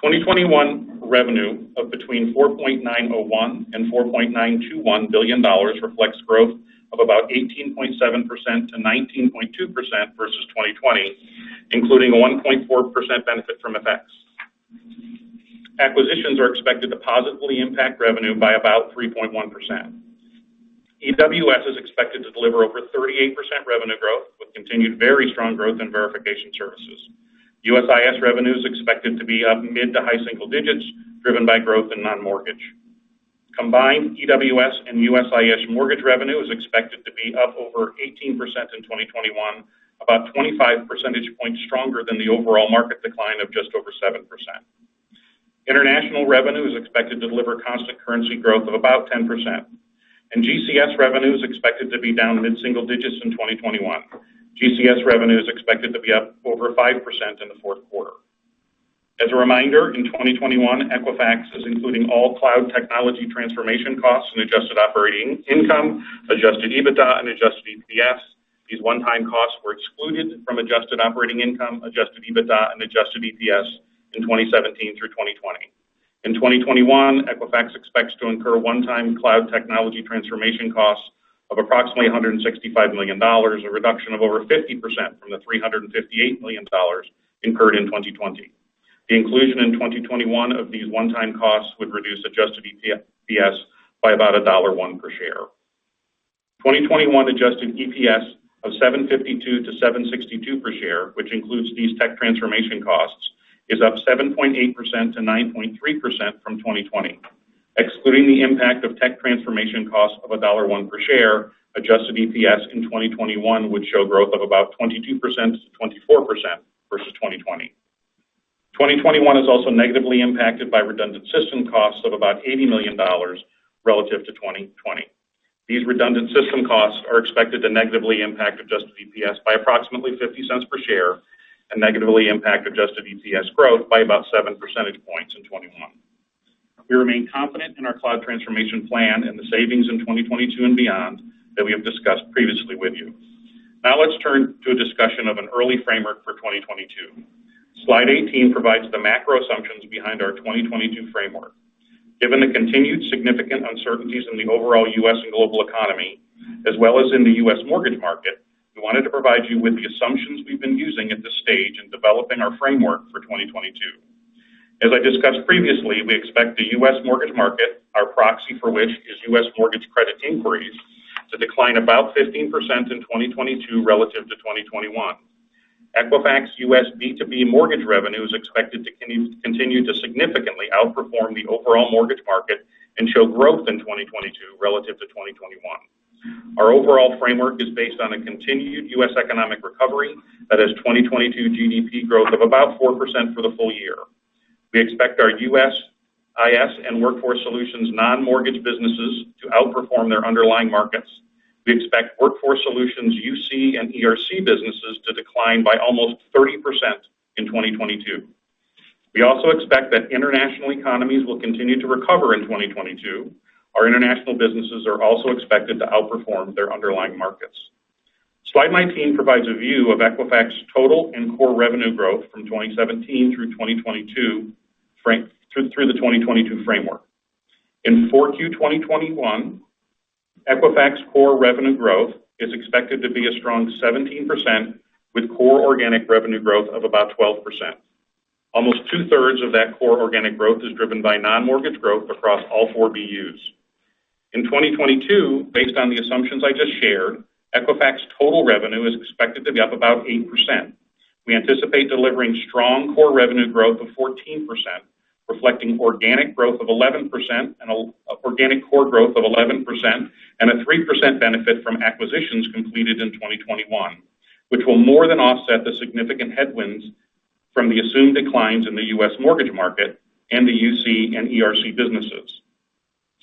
2021 revenue of between $4.901 billion and $4.921 billion reflects growth of about 18.7%-19.2% versus 2020, including a 1.4% benefit from FX. Acquisitions are expected to positively impact revenue by about 3.1%. EWS is expected to deliver over 38% revenue growth, with continued very strong growth in verification services. USIS revenue is expected to be up mid to high single digits, driven by growth in non-mortgage. Combined EWS and USIS mortgage revenue is expected to be up over 18% in 2021, about 25 percentage points stronger than the overall market decline of just over 7%. International revenue is expected to deliver constant currency growth of about 10%, and GCS revenue is expected to be down mid-single digits in 2021. GCS revenue is expected to be up over 5% in the fourth quarter. As a reminder, in 2021, Equifax is including all cloud technology transformation costs in adjusted operating income, adjusted EBITDA, and adjusted EPS. These one-time costs were excluded from adjusted operating income, adjusted EBITDA, and adjusted EPS in 2017 through 2020. In 2021, Equifax expects to incur one-time cloud technology transformation costs of approximately $165 million, a reduction of over 50% from the $358 million incurred in 2020. The inclusion in 2021 of these one-time costs would reduce adjusted EPS by about $1.01 per share. 2021 adjusted EPS of $7.52-$7.62 per share, which includes these tech transformation costs, is up 7.8%-9.3% from 2020. Excluding the impact of tech transformation costs of $1.01 per share, adjusted EPS in 2021 would show growth of about 22%-24% versus 2020. 2021 is also negatively impacted by redundant system costs of about $80 million relative to 2020. These redundant system costs are expected to negatively impact adjusted EPS by approximately $0.50 per share and negatively impact adjusted EPS growth by about seven percentage points in 2021. We remain confident in our cloud transformation plan and the savings in 2022 and beyond that we have discussed previously with you. Let's turn to a discussion of an early framework for 2022. Slide 18 provides the macro assumptions behind our 2022 framework. Given the continued significant uncertainties in the overall U.S. and global economy, as well as in the U.S. mortgage market, we wanted to provide you with the assumptions we've been using at this stage in developing our framework for 2022. As I discussed previously, we expect the U.S. mortgage market, our proxy for which is U.S. mortgage credit inquiries, to decline about 15% in 2022 relative to 2021. Equifax U.S. B2B mortgage revenue is expected to continue to significantly outperform the overall mortgage market and show growth in 2022 relative to 2021. Our overall framework is based on a continued U.S. economic recovery that has 2022 GDP growth of about 4% for the full year. We expect our USIS and Workforce Solutions non-mortgage businesses to outperform their underlying markets. We expect Workforce Solutions UC and ERC businesses to decline by almost 30% in 2022. We also expect that international economies will continue to recover in 2022. Our international businesses are also expected to outperform their underlying markets. Slide 19 provides a view of Equifax total and core revenue growth from 2017 through the 2022 framework. In 4Q 2021, Equifax core revenue growth is expected to be a strong 17%, with core organic revenue growth of about 12%. Almost two-thirds of that core organic growth is driven by non-mortgage growth across all 4 BUs. In 2022, based on the assumptions I just shared, Equifax total revenue is expected to be up about 8%. We anticipate delivering strong core revenue growth of 14%, reflecting organic core growth of 11%, and a 3% benefit from acquisitions completed in 2021, which will more than offset the significant headwinds from the assumed declines in the U.S. mortgage market and the UC and ERC businesses.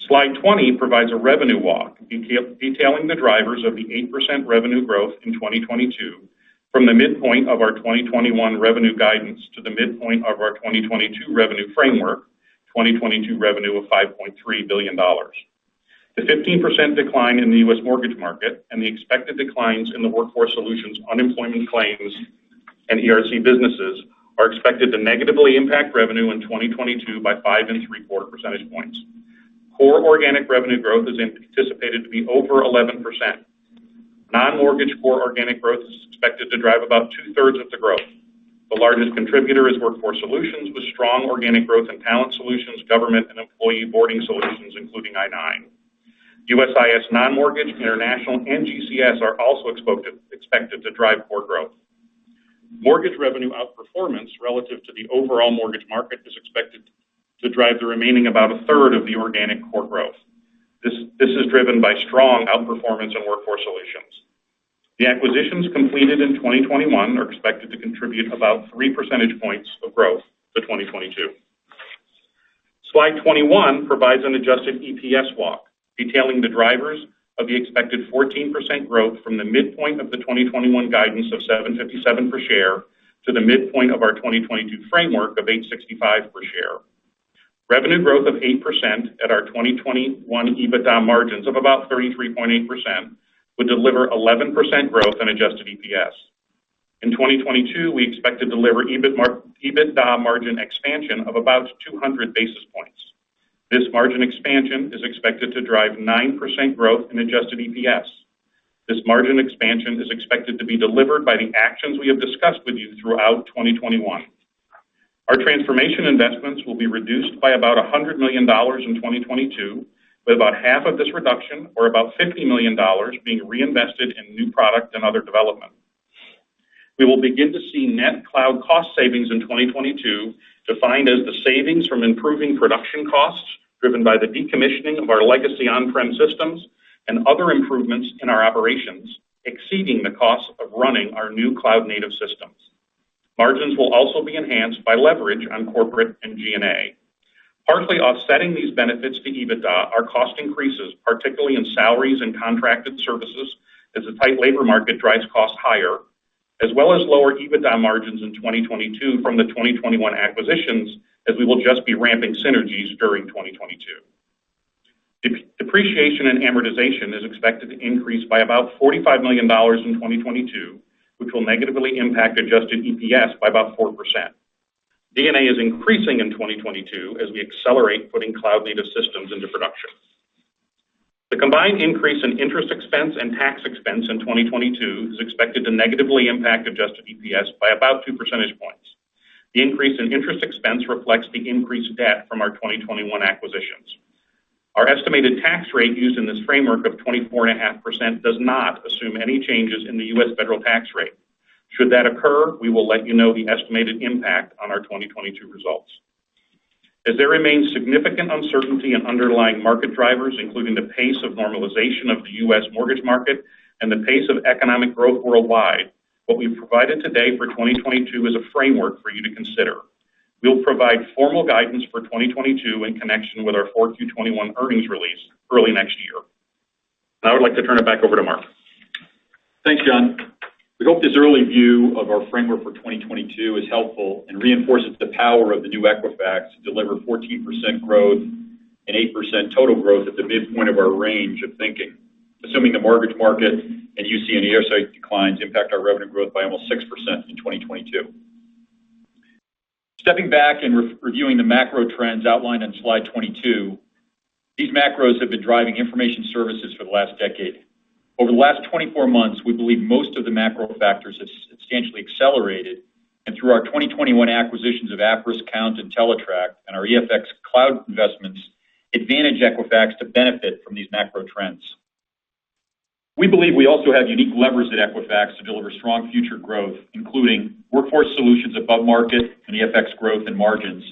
Slide 20 provides a revenue walk, detailing the drivers of the 8% revenue growth in 2022 from the midpoint of our 2021 revenue guidance to the midpoint of our 2022 revenue framework, 2022 revenue of $5.3 billion. The 15% decline in the U.S. mortgage market and the expected declines in the Workforce Solutions unemployment claims and ERC businesses are expected to negatively impact revenue in 2022 by five and three-quarter percentage points. Core organic revenue growth is anticipated to be over 11%. Non-mortgage core organic growth is expected to drive about two-thirds of the growth. The largest contributor is Workforce Solutions, with strong organic growth in Talent Solutions, government, and employee boarding solutions, including I-9. USIS non-mortgage, international, and GCS are also expected to drive core growth. Mortgage revenue outperformance relative to the overall mortgage market is expected to drive the remaining about a third of the organic core growth. This is driven by strong outperformance in Workforce Solutions. The acquisitions completed in 2021 are expected to contribute about three percentage points of growth to 2022. Slide 21 provides an adjusted EPS walk, detailing the drivers of the expected 14% growth from the midpoint of the 2021 guidance of $7.57 per share to the midpoint of our 2022 framework of $8.65 per share. Revenue growth of 8% at our 2021 EBITDA margins of about 33.8% would deliver 11% growth in adjusted EPS. In 2022, we expect to deliver EBITDA margin expansion of about 200 basis points. This margin expansion is expected to drive 9% growth in adjusted EPS. This margin expansion is expected to be delivered by the actions we have discussed with you throughout 2021. Our transformation investments will be reduced by about $100 million in 2022, with about half of this reduction, or about $50 million, being reinvested in new product and other development. We will begin to see net cloud cost savings in 2022, defined as the savings from improving production costs driven by the decommissioning of our legacy on-prem systems and other improvements in our operations, exceeding the cost of running our new cloud-native systems. Margins will also be enhanced by leverage on corporate and G&A. Partly offsetting these benefits to EBITDA are cost increases, particularly in salaries and contracted services, as the tight labor market drives costs higher, as well as lower EBITDA margins in 2022 from the 2021 acquisitions, as we will just be ramping synergies during 2022. Depreciation and amortization is expected to increase by about $45 million in 2022, which will negatively impact adjusted EPS by about 4%. D&A is increasing in 2022 as we accelerate putting cloud-native systems into production. The combined increase in interest expense and tax expense in 2022 is expected to negatively impact adjusted EPS by about two percentage points. The increase in interest expense reflects the increased debt from our 2021 acquisitions. Our estimated tax rate used in this framework of 24.5% does not assume any changes in the U.S. federal tax rate. Should that occur, we will let you know the estimated impact on our 2022 results. As there remains significant uncertainty in underlying market drivers, including the pace of normalization of the U.S. mortgage market and the pace of economic growth worldwide, what we've provided today for 2022 is a framework for you to consider. We'll provide formal guidance for 2022 in connection with our 4Q '21 earnings release early next year. Now I would like to turn it back over to Mark. Thanks, John. We hope this early view of our framework for 2022 is helpful and reinforces the power of the new Equifax to deliver 14% growth and 8% total growth at the midpoint of our range of thinking, assuming the mortgage market and UC and ERC declines impact our revenue growth by almost 6% in 2022. Stepping back and reviewing the macro trends outlined on slide 22, these macros have been driving information services for the last decade. Over the last 24 months, we believe most of the macro factors have substantially accelerated, and through our 2021 acquisitions of Appriss, Kount, and Teletrack and our Equifax Cloud investments, advantage Equifax to benefit from these macro trends. We believe we also have unique levers at Equifax to deliver strong future growth, including Workforce Solutions above market and EFX growth and margins,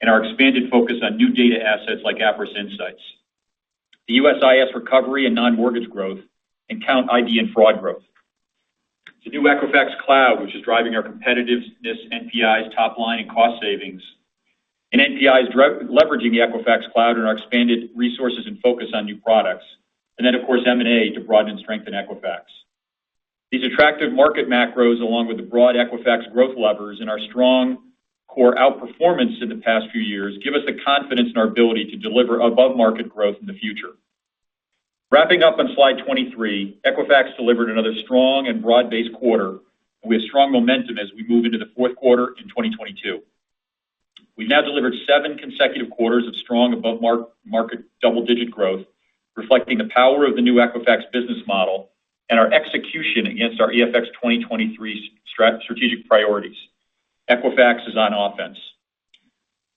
and our expanded focus on new data assets like Appriss Insights, the USIS recovery and non-mortgage growth, and Kount ID and fraud growth, the new Equifax Cloud, which is driving our competitiveness, NPIs top line and cost savings, and NPIs leveraging the Equifax Cloud in our expanded resources and focus on new products, then of course, M&A to broaden and strengthen Equifax. These attractive market macros, along with the broad Equifax growth levers and our strong core outperformance in the past few years, give us the confidence in our ability to deliver above-market growth in the future. Wrapping up on slide 23, Equifax delivered another strong and broad-based quarter, and we have strong momentum as we move into the fourth quarter in 2022. We've now delivered seven consecutive quarters of strong above-market double-digit growth, reflecting the power of the new Equifax business model and our execution against our EFX2023 Strategy strategic priorities. Equifax is on offense.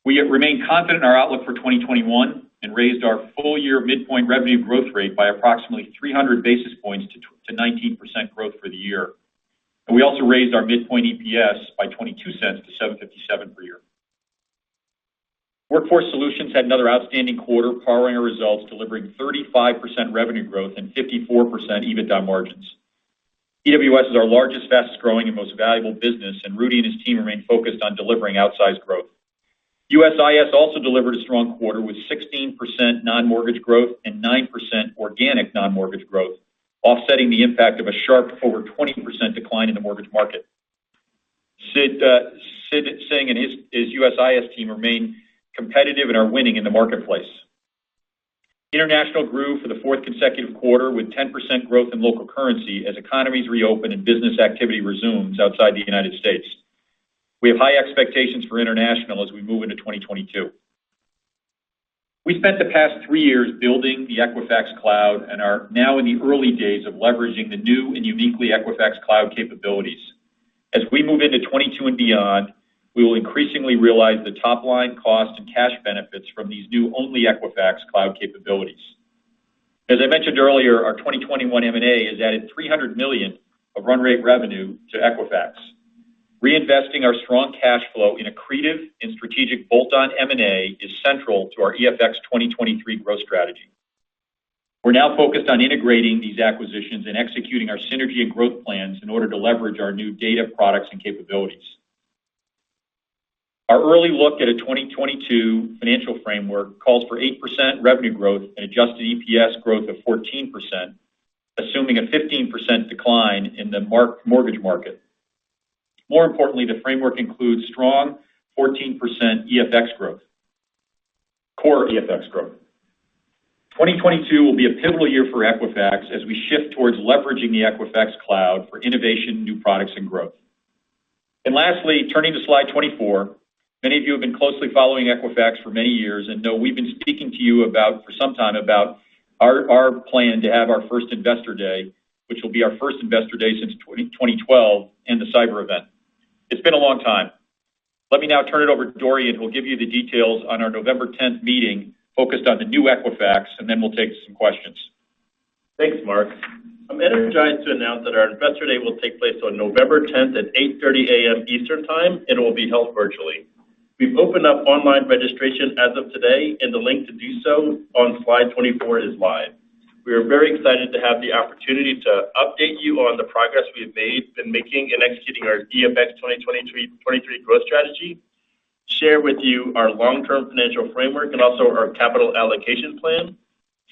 We remain confident in our outlook for 2021 and raised our full-year midpoint revenue growth rate by approximately 300 basis points to 19% growth for the year. We also raised our midpoint EPS by $0.22 to $7.57 per year. Workforce Solutions had another outstanding quarter powering our results, delivering 35% revenue growth and 54% EBITDA margins. EWS is our largest, fastest-growing, and most valuable business, Rudy and his team remain focused on delivering outsized growth. USIS also delivered a strong quarter with 16% non-mortgage growth and 9% organic non-mortgage growth, offsetting the impact of a sharp over 20% decline in the mortgage market. Sid Singh and his USIS team remain competitive and are winning in the marketplace. International grew for the fourth consecutive quarter with 10% growth in local currency as economies reopen and business activity resumes outside the United States. We have high expectations for International as we move into 2022. We spent the past three years building the Equifax Cloud and are now in the early days of leveraging the new and uniquely Equifax cloud capabilities. We move into 2022 and beyond, we will increasingly realize the top line cost and cash benefits from these new only Equifax cloud capabilities. I mentioned earlier, our 2021 M&A has added $300 million of run rate revenue to Equifax. Reinvesting our strong cash flow in accretive and strategic bolt-on M&A is central to our EFX2023 Strategy growth strategy. We're now focused on integrating these acquisitions and executing our synergy and growth plans in order to leverage our new data products and capabilities. Our early look at a 2022 financial framework calls for 8% revenue growth and adjusted EPS growth of 14%, assuming a 15% decline in the mortgage market. More importantly, the framework includes strong 14% core EFX growth. 2022 will be a pivotal year for Equifax as we shift towards leveraging the Equifax Cloud for innovation, new products, and growth. Lastly, turning to slide 24, many of you have been closely following Equifax for many years and know we've been speaking to you for some time about our plan to have our first Investor Day, which will be our first Investor Day since 2012 and the cyber event. It's been a long time. Let me now turn it over to Dorian, who will give you the details on our November 10th meeting focused on the new Equifax, and then we'll take some questions. Thanks, Mark. I'm energized to announce that our Investor Day will take place on November 10th at 8:30 A.M. Eastern Time and will be held virtually. We've opened up online registration as of today, and the link to do so on slide 24 is live. We are very excited to have the opportunity to update you on the progress we have been making in executing our EFX2023 Strategy growth strategy, share with you our long-term financial framework, and also our capital allocation plan.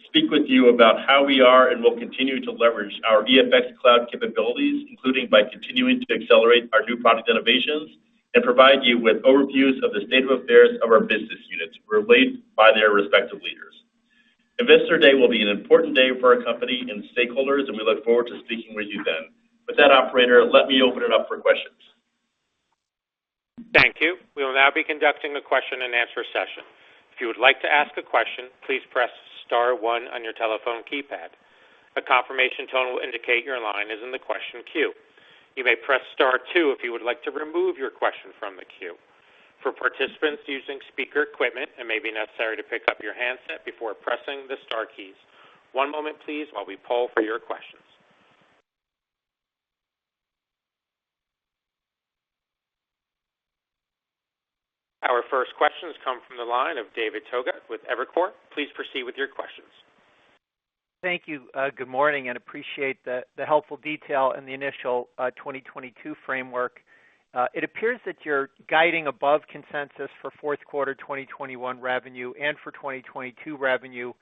Speak with you about how we are and will continue to leverage our Equifax Cloud capabilities, including by continuing to accelerate our new product innovations and provide you with overviews of the state of affairs of our business units relayed by their respective leaders. Investor Day will be an important day for our company and stakeholders, and we look forward to speaking with you then. With that, operator, let me open it up for questions. Thank you. We will now begin the question and answer session. If you would like to ask a question please press star one on your telephone keypad. A confirmation tone indicator line is in the question queue. You may press star two if you would like to remove your question from the queue. Our first questions come from the line of David Togut with Evercore. Please proceed with your question. Thank you. Good morning. I appreciate the helpful detail in the initial 2022 framework. It appears that you're guiding above consensus for fourth quarter 2021 revenue and for 2022 revenue,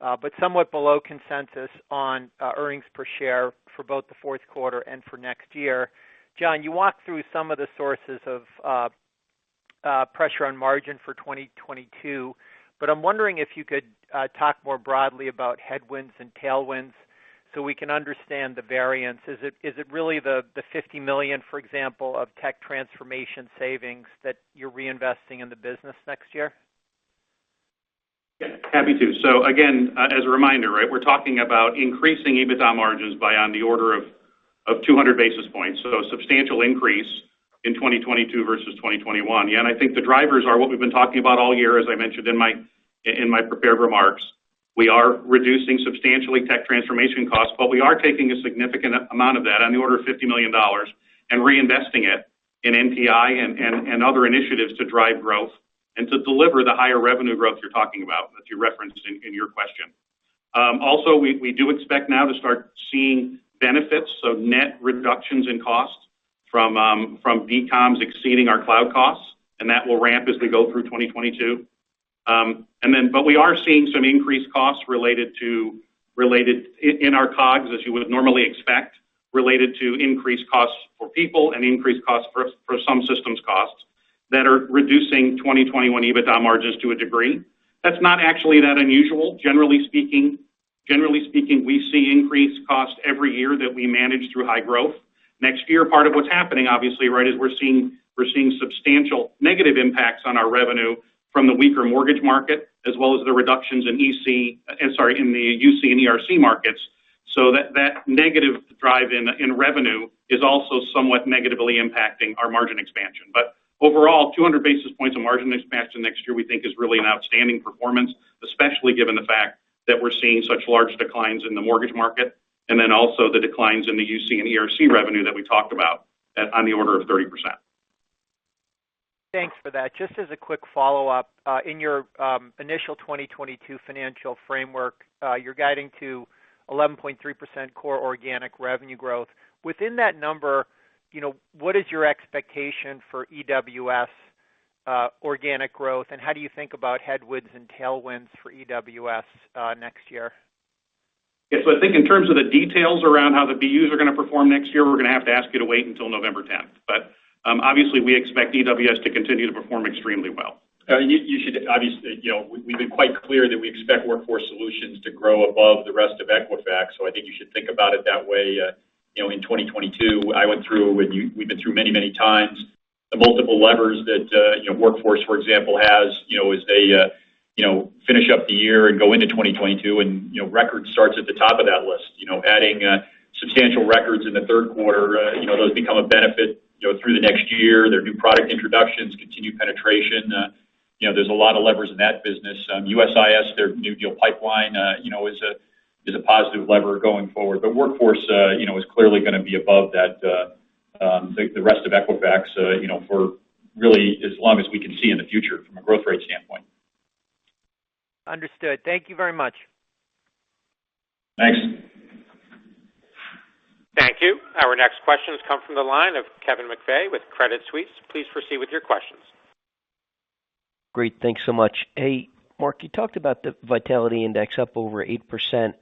but somewhat below consensus on earnings per share for both the fourth quarter and for next year. John, you walked through some of the sources of pressure on margin for 2022, but I'm wondering if you could talk more broadly about headwinds and tailwinds so we can understand the variance. Is it really the $50 million, for example, of tech transformation savings that you're reinvesting in the business next year? Happy to. Again, as a reminder, we're talking about increasing EBITDA margins by on the order of 200 basis points. A substantial increase in 2022 versus 2021. I think the drivers are what we've been talking about all year, as I mentioned in my prepared remarks. We are reducing substantially tech transformation costs, but we are taking a significant amount of that, on the order of $50 million, and reinvesting it in NPI and other initiatives to drive growth and to deliver the higher revenue growth you're talking about, that you referenced in your question. We do expect now to start seeing benefits, so net reductions in costs from decom exceeding our cloud costs, and that will ramp as we go through 2022. We are seeing some increased costs in our COGS, as you would normally expect, related to increased costs for people and increased costs for some systems costs that are reducing 2021 EBITDA margins to a degree. That's not actually that unusual. Generally speaking, we see increased costs every year that we manage through high growth. Next year, part of what's happening, obviously, is we're seeing substantial negative impacts on our revenue from the weaker mortgage market, as well as the reductions in the UC and ERC markets. That negative drive in revenue is also somewhat negatively impacting our margin expansion. Overall, 200 basis points of margin expansion next year we think is really an outstanding performance, especially given the fact that we're seeing such large declines in the mortgage market, and then also the declines in the UC and ERC revenue that we talked about on the order of 30%. Thanks for that. Just as a quick follow-up, in your initial 2022 financial framework, you're guiding to 11.3% core organic revenue growth. Within that number, what is your expectation for EWS organic growth, and how do you think about headwinds and tailwinds for EWS next year? Yeah. I think in terms of the details around how the BUs are going to perform next year, we're going to have to ask you to wait until November 10th. Obviously, we expect EWS to continue to perform extremely well. We've been quite clear that we expect Workforce Solutions to grow above the rest of Equifax, so I think you should think about it that way in 2022. I went through, and we've been through many, many times, the multiple levers that Workforce, for example, has as they finish up the year and go into 2022, and records starts at the top of that list. Adding substantial records in the third quarter, those become a benefit through the next year. Their new product introductions continue penetration. There's a lot of levers in that business. USIS, their new deal pipeline is a positive lever going forward. Workforce is clearly going to be above the rest of Equifax for really as long as we can see in the future from a growth rate standpoint. Understood. Thank you very much. Thanks. Thank you. Our next questions come from the line of Kevin McVeigh with Credit Suisse. Please proceed with your questions. Great. Thanks so much. Hey, Mark, you talked about the Vitality Index up over 8%?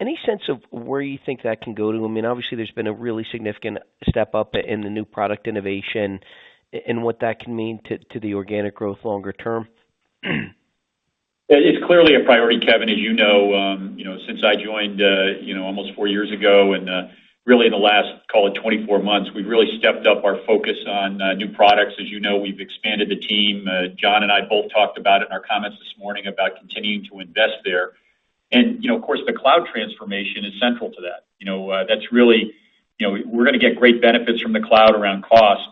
Any sense of where you think that can go to? Obviously, there's been a really significant step up in the new product innovation and what that can mean to the organic growth longer term. It's clearly a priority, Kevin, as you know, since I joined almost four years ago. Really in the last, call it 24 months, we've really stepped up our focus on new products. As you know, we've expanded the team. John and I both talked about it in our comments this morning about continuing to invest there. Of course, the cloud transformation is central to that. We're going to get great benefits from the cloud around cost.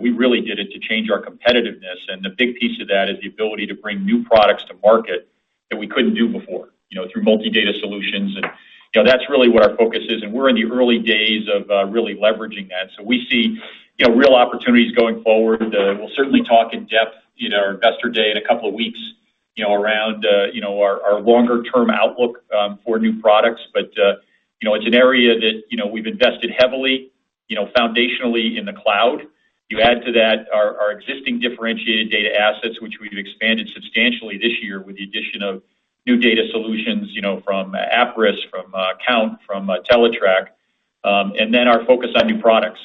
We really did it to change our competitiveness, a big piece of that is the ability to bring new products to market that we couldn't do before through multi-data solutions. That's really what our focus is. We're in the early days of really leveraging that. We see real opportunities going forward. We'll certainly talk in depth in our investor day in a couple of weeks around our longer-term outlook for new products. It's an area that we've invested heavily foundationally in the cloud. You add to that our existing differentiated data assets, which we've expanded substantially this year with the addition of new data solutions from Appriss, from Kount, from Teletrack, and then our focus on new products.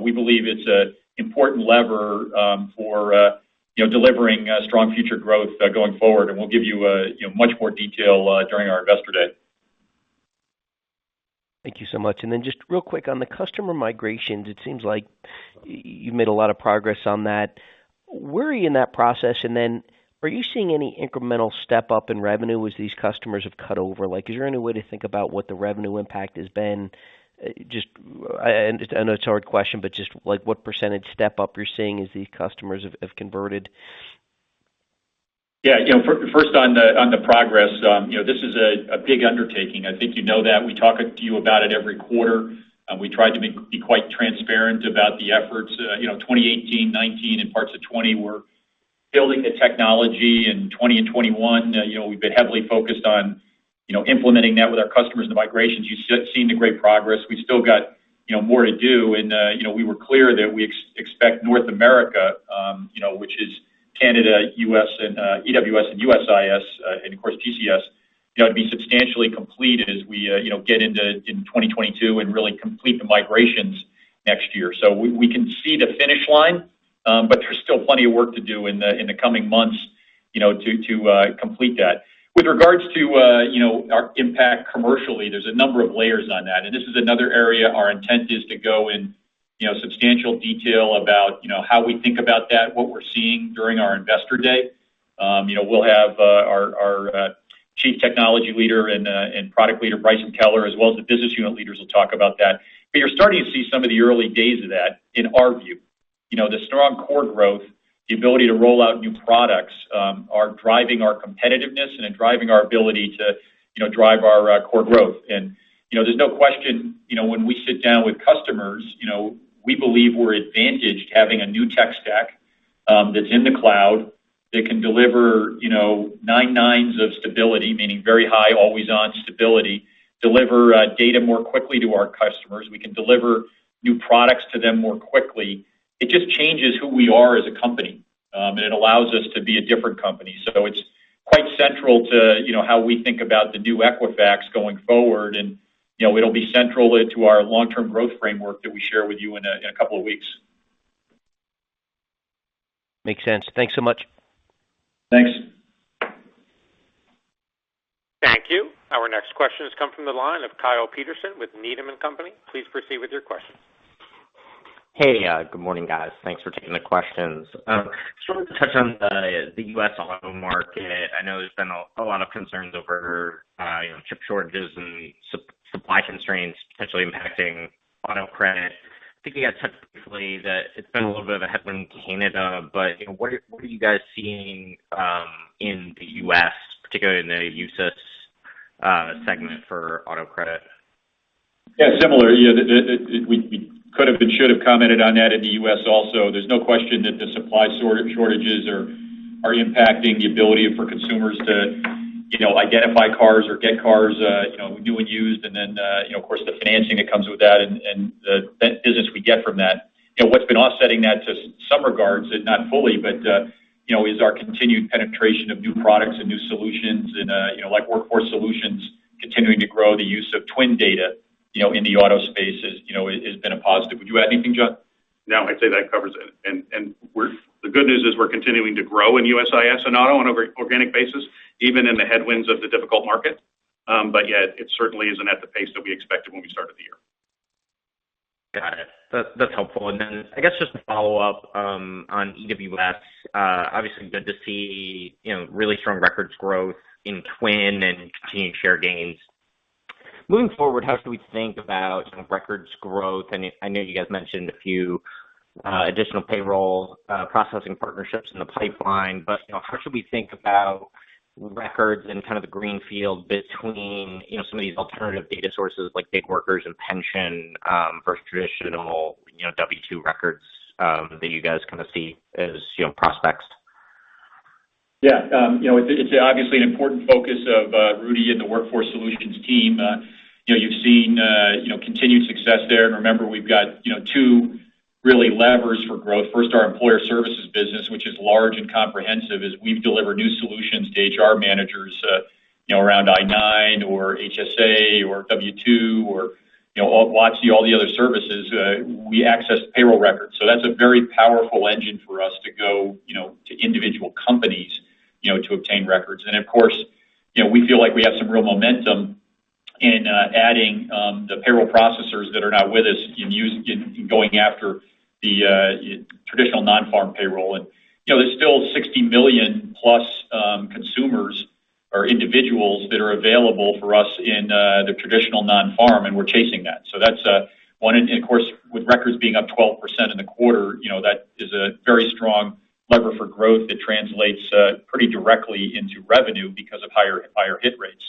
We believe it's an important lever for delivering strong future growth going forward. We'll give you much more detail during our investor day. Thank you so much. Then just real quick, on the customer migrations, it seems like you've made a lot of progress on that. Where are you in that process, and then are you seeing any incremental step up in revenue as these customers have cut over? Is there any way to think about what the revenue impact has been? I know it's a hard question, just what % step up you're seeing as these customers have converted. First on the progress, this is a big undertaking. I think you know that. We talk to you about it every quarter. We try to be quite transparent about the efforts. 2018, 2019, and parts of 2020 were building the technology. In 2020 and 2021, we've been heavily focused on implementing that with our customers. The migrations, you've seen the great progress. We've still got more to do, and we were clear that we expect North America, which is Canada, EWS, and USIS, and of course, GCS, to be substantially completed as we get into 2022 and really complete the migrations next year. We can see the finish line, but there's still plenty of work to do in the coming months to complete that. With regards to our impact commercially, there's a number of layers on that, and this is another area our intent is to go in substantial detail about how we think about that, what we're seeing during our Investor Day. We'll have our chief technology leader and product leader, Bryson Koehler, as well as the business unit leaders will talk about that. You're starting to see some of the early days of that in our view. The strong core growth, the ability to roll out new products are driving our competitiveness and are driving our ability to drive our core growth. There's no question, when we sit down with customers, we believe we're advantaged having a new tech stack that's in the cloud that can deliver nine nines of stability, meaning very high, always-on stability, deliver data more quickly to our customers. We can deliver new products to them more quickly. It just changes who we are as a company, and it allows us to be a different company. It's quite central to how we think about the new Equifax going forward, and it'll be central to our long-term growth framework that we share with you in a couple of weeks. Makes sense. Thanks so much. Thanks. Thank you. Our next question has come from the line of Kyle Peterson with Needham & Company. Please proceed with your question. Hey, good morning, guys. Thanks for taking the questions. Just wanted to touch on the U.S. auto market. I know there's been a lot of concerns over chip shortages and supply constraints potentially impacting auto credit. I think you guys said briefly that it's been a little bit of a headwind in Canada, but what are you guys seeing in the U.S., particularly in the USIS segment for auto credit? Yeah, similar. We could've and should've commented on that in the U.S. also. There's no question that the supply shortages are impacting the ability for consumers to identify cars or get cars, new and used, and then of course, the financing that comes with that and the business we get from that. What's been offsetting that to some regards, not fully, is our continued penetration of new products and new solutions, like Workforce Solutions continuing to grow the use of TWN data in the auto space has been a positive. Would you add anything, John? No, I'd say that covers it. The good news is we're continuing to grow in USIS and auto on an organic basis, even in the headwinds of the difficult market. Yeah, it certainly isn't at the pace that we expected when we started the year. Got it. That's helpful. Then I guess just to follow up on EWS, obviously good to see really strong records growth in TWN and continued share gains. Moving forward, how should we think about records growth? I know you guys mentioned a few additional payroll processing partnerships in the pipeline, how should we think about records and kind of the green field between some of these alternative data sources, like gig workers and pension versus traditional W2 records that you guys see as prospects? Yeah. It's obviously an important focus of Rudy and the Workforce Solutions team. You've seen continued success there. Remember, we've got two really levers for growth. First, our employer services business, which is large and comprehensive, as we've delivered new solutions to HR managers around I-9 or HSA or W-2 or WOTC, all the other services, we access payroll records. That's a very powerful engine for us to go to individual companies to obtain records. Of course, we feel like we have some real momentum in adding the payroll processors that are not with us in going after the traditional non-farm payroll. There's still 60 million plus consumers or individuals that are available for us in the traditional non-farm, and we're chasing that. That's one. Of course, with records being up 12% in the quarter, that is a very strong lever for growth that translates pretty directly into revenue because of higher hit rates.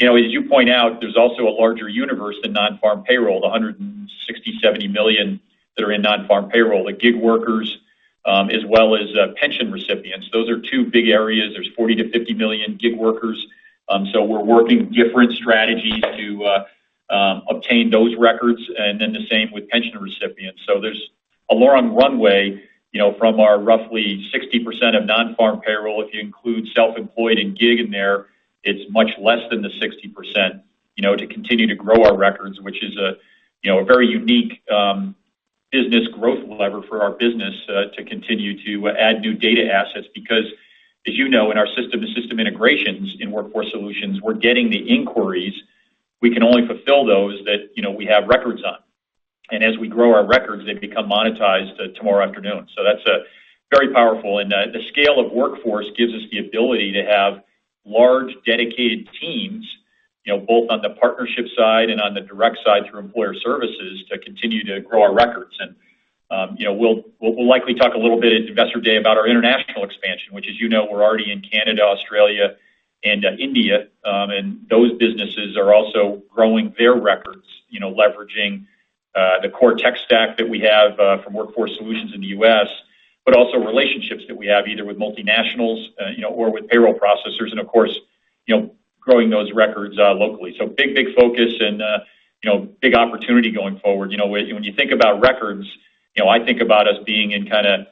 As you point out, there's also a larger universe than non-farm payroll, the 160 million-170 million that are in non-farm payroll, the gig workers, as well as pension recipients. Those are two big areas. There's 40 million-50 million gig workers. We're working different strategies to obtain those records, and then the same with pension recipients. There's a long runway from our roughly 60% of non-farm payroll. If you include self-employed and gig in there, it's much less than the 60% to continue to grow our records, which is a very unique business growth lever for our business to continue to add new data assets. As you know, in our system and system integrations in Workforce Solutions, we're getting the inquiries. We can only fulfill those that we have records on. As we grow our records, they become monetized tomorrow afternoon. That's very powerful. The scale of Workforce gives us the ability to have large dedicated teams, both on the partnership side and on the direct side through employer services to continue to grow our records. We'll likely talk a little bit at Investor Day about our international expansion, which as you know, we're already in Canada, Australia, and India. Those businesses are also growing their records leveraging the core tech stack that we have from Workforce Solutions in the U.S., also relationships that we have either with multinationals or with payroll processors. Of course, growing those records locally. Big focus and big opportunity going forward. When you think about records, I think about us being in kind of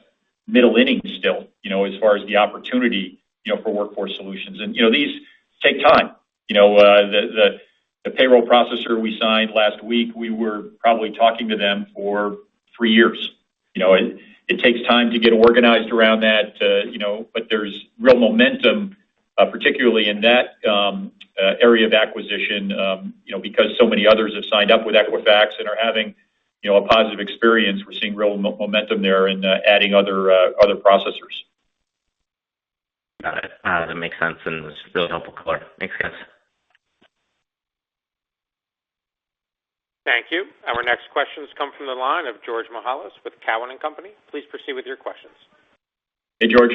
middle innings still, as far as the opportunity for Workforce Solutions. These take time. The payroll processor we signed last week, we were probably talking to them for three years. It takes time to get organized around that, there's real momentum, particularly in that area of acquisition because so many others have signed up with Equifax and are having a positive experience. We're seeing real momentum there in adding other processors. Got it. That makes sense and was a really helpful color. Makes sense. Thank you. Our next questions come from the line of George Mihalos with Cowen and Company. Please proceed with your questions. Hey, George.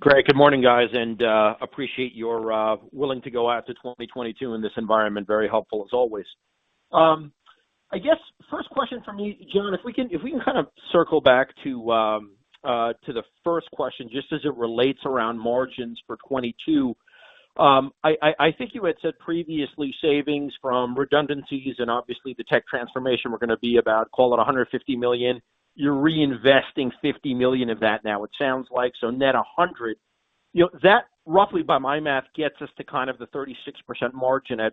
Greg, good morning, guys, appreciate your willing to go out to 2022 in this environment. Very helpful as always. I guess first question from me, John, if we can kind of circle back to the first question, just as it relates around margins for 2022. I think you had said previously savings from redundancies and obviously the tech transformation were going to be about, call it $150 million. You're reinvesting $50 million of that now it sounds like, net $100 million. That roughly by my math gets us to kind of the 36% margin at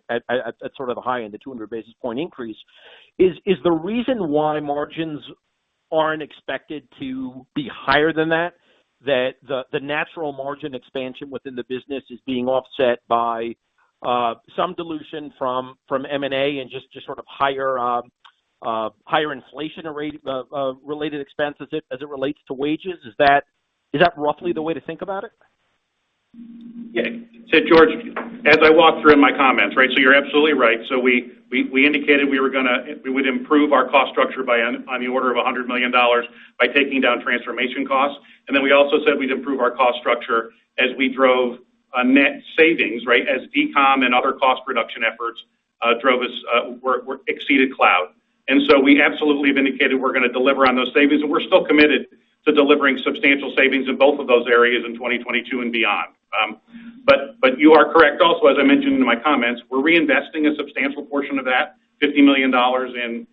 sort of the high end, the 200 basis point increase. Is the reason why margins aren't expected to be higher than that the natural margin expansion within the business is being offset by some dilution from M&A and just sort of higher inflation-related expenses as it relates to wages? Is that roughly the way to think about it? Yeah. George, as I walked through in my comments, right. You're absolutely right. We indicated we would improve our cost structure on the order of $100 million by taking down transformation costs. We also said we'd improve our cost structure as we drove a net savings, right. As decom and other cost reduction efforts exceeded cloud. We absolutely have indicated we're going to deliver on those savings, and we're still committed to delivering substantial savings in both of those areas in 2022 and beyond. You are correct also, as I mentioned in my comments, we're reinvesting a substantial portion of that $50 million in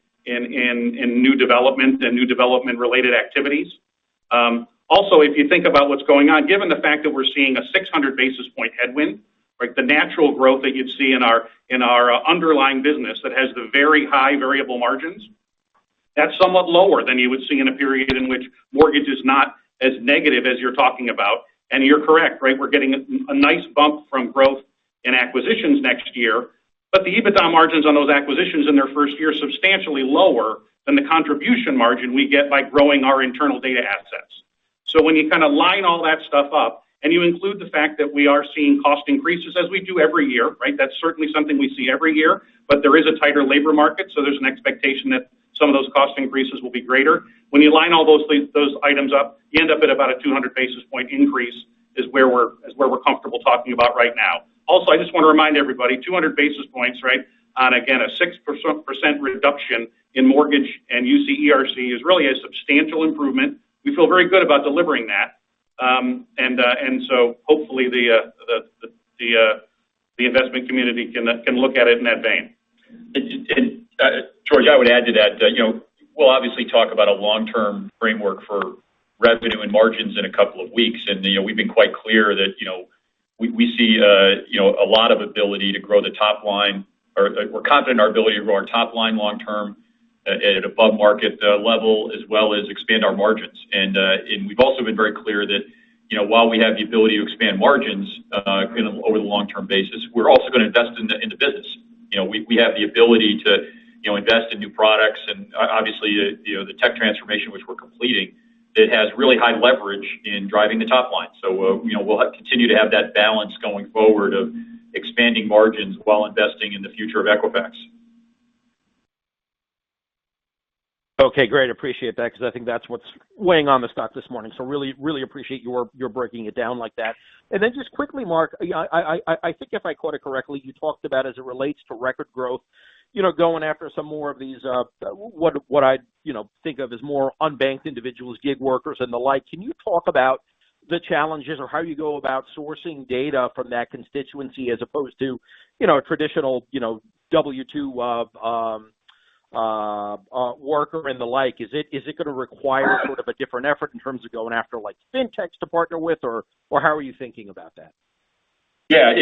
new development and new development-related activities. If you think about what's going on, given the fact that we're seeing a 600 basis point headwind, the natural growth that you'd see in our underlying business that has the very high variable margins, that's somewhat lower than you would see in a period in which mortgage is not as negative as you're talking about. You're correct, right? We're getting a nice bump from growth in acquisitions next year, but the EBITDA margins on those acquisitions in their first year substantially lower than the contribution margin we get by growing our internal data assets. When you kind of line all that stuff up and you include the fact that we are seeing cost increases as we do every year, right? That's certainly something we see every year. There is a tighter labor market, so there's an expectation that some of those cost increases will be greater. When you line all those items up, you end up at about a 200 basis point increase is where we're comfortable talking about right now. I just want to remind everybody, 200 basis points, right, on again a 6% reduction in mortgage and UC ERC is really a substantial improvement. We feel very good about delivering that. Hopefully the investment community can look at it in that vein. George, I would add to that, we'll obviously talk about a long-term framework for revenue and margins in a couple of weeks, and we've been quite clear that we're confident in our ability to grow our top line long term at above market level as well as expand our margins. We've also been very clear that while we have the ability to expand margins over the long-term basis, we're also going to invest in the business. We have the ability to invest in new products and obviously, the Tech Transformation which we're completing that has really high leverage in driving the top line. We'll continue to have that balance going forward of expanding margins while investing in the future of Equifax. Okay, great. Appreciate that because I think that's what's weighing on the stock this morning. Really appreciate your breaking it down like that. Just quickly, Mark, I think if I quote it correctly, you talked about as it relates to record growth, going after some more of these what I'd think of as more unbanked individuals, gig workers and the like. Can you talk about the challenges or how you go about sourcing data from that constituency as opposed to a traditional W2 worker and the like? Is it going to require sort of a different effort in terms of going after fintechs to partner with, or how are you thinking about that? Yeah.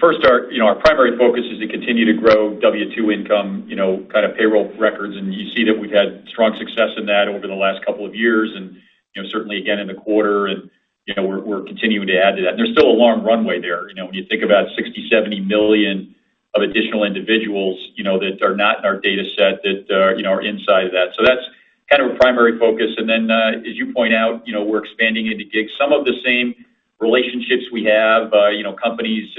First our primary focus is to continue to grow W2 income kind of payroll records. You see that we've had strong success in that over the last couple of years and certainly again in the quarter, and we're continuing to add to that. There's still a long runway there. When you think about 60 million, 70 million of additional individuals that are not in our data set that are inside of that. That's kind of a primary focus. Then as you point out, we're expanding into gigs. Some of the same relationships we have, companies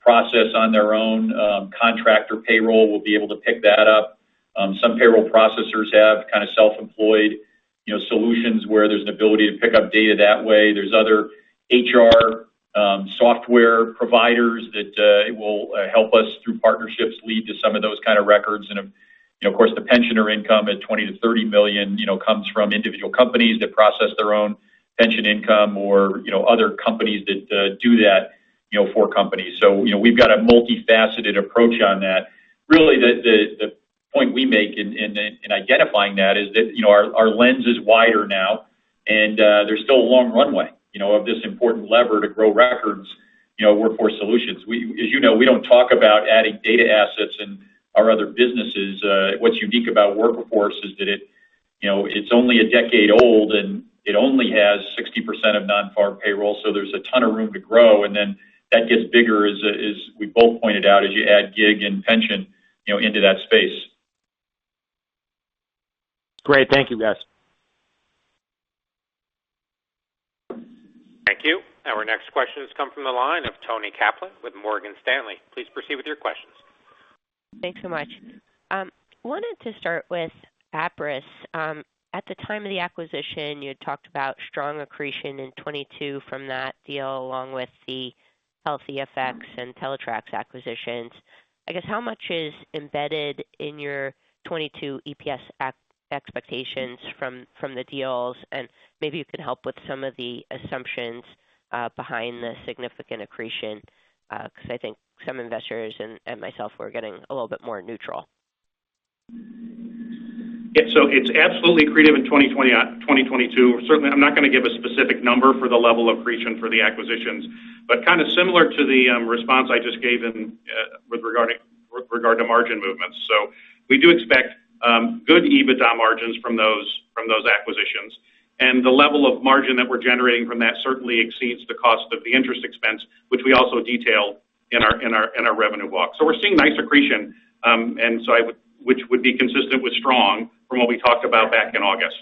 process on their own, contractor payroll will be able to pick that up. Some payroll processors have kind of self-employed solutions where there's an ability to pick up data that way. There's other HR software providers that will help us through partnerships lead to some of those kind of records. Of course, the pensioner income at $20 million-$30 million comes from individual companies that process their own pension income or other companies that do that for companies. We've got a multifaceted approach on that. Really the point we make in identifying that is that our lens is wider now and there's still a long runway of this important lever to grow records Workforce Solutions. As you know, we don't talk about adding data assets in our other businesses. What's unique about Workforce is that it's only a decade old and it only has 60% of non-farm payroll, so there's a ton of room to grow. Then that gets bigger as we both pointed out as you add gig and pension into that space. Great. Thank you guys. Thank you. Our next questions come from the line of Toni Kaplan with Morgan Stanley. Please proceed with your questions. Thanks so much. Wanted to start with Appriss. At the time of the acquisition, you had talked about strong accretion in 2022 from that deal along with the Health e(fx) and Teletrack acquisitions. I guess how much is embedded in your 2022 EPS expectations from the deals? Maybe you could help with some of the assumptions behind the significant accretion, because I think some investors and myself were getting a little bit more neutral. Yeah. It's absolutely accretive in 2022. Certainly I'm not going to give a specific number for the level accretion for the acquisitions, but kind of similar to the response I just gave with regard to margin movements. We do expect good EBITDA margins from those acquisitions. The level of margin that we're generating from that certainly exceeds the cost of the interest expense, which we also detail in our revenue walk. We're seeing nice accretion which would be consistent with strong from what we talked about back in August.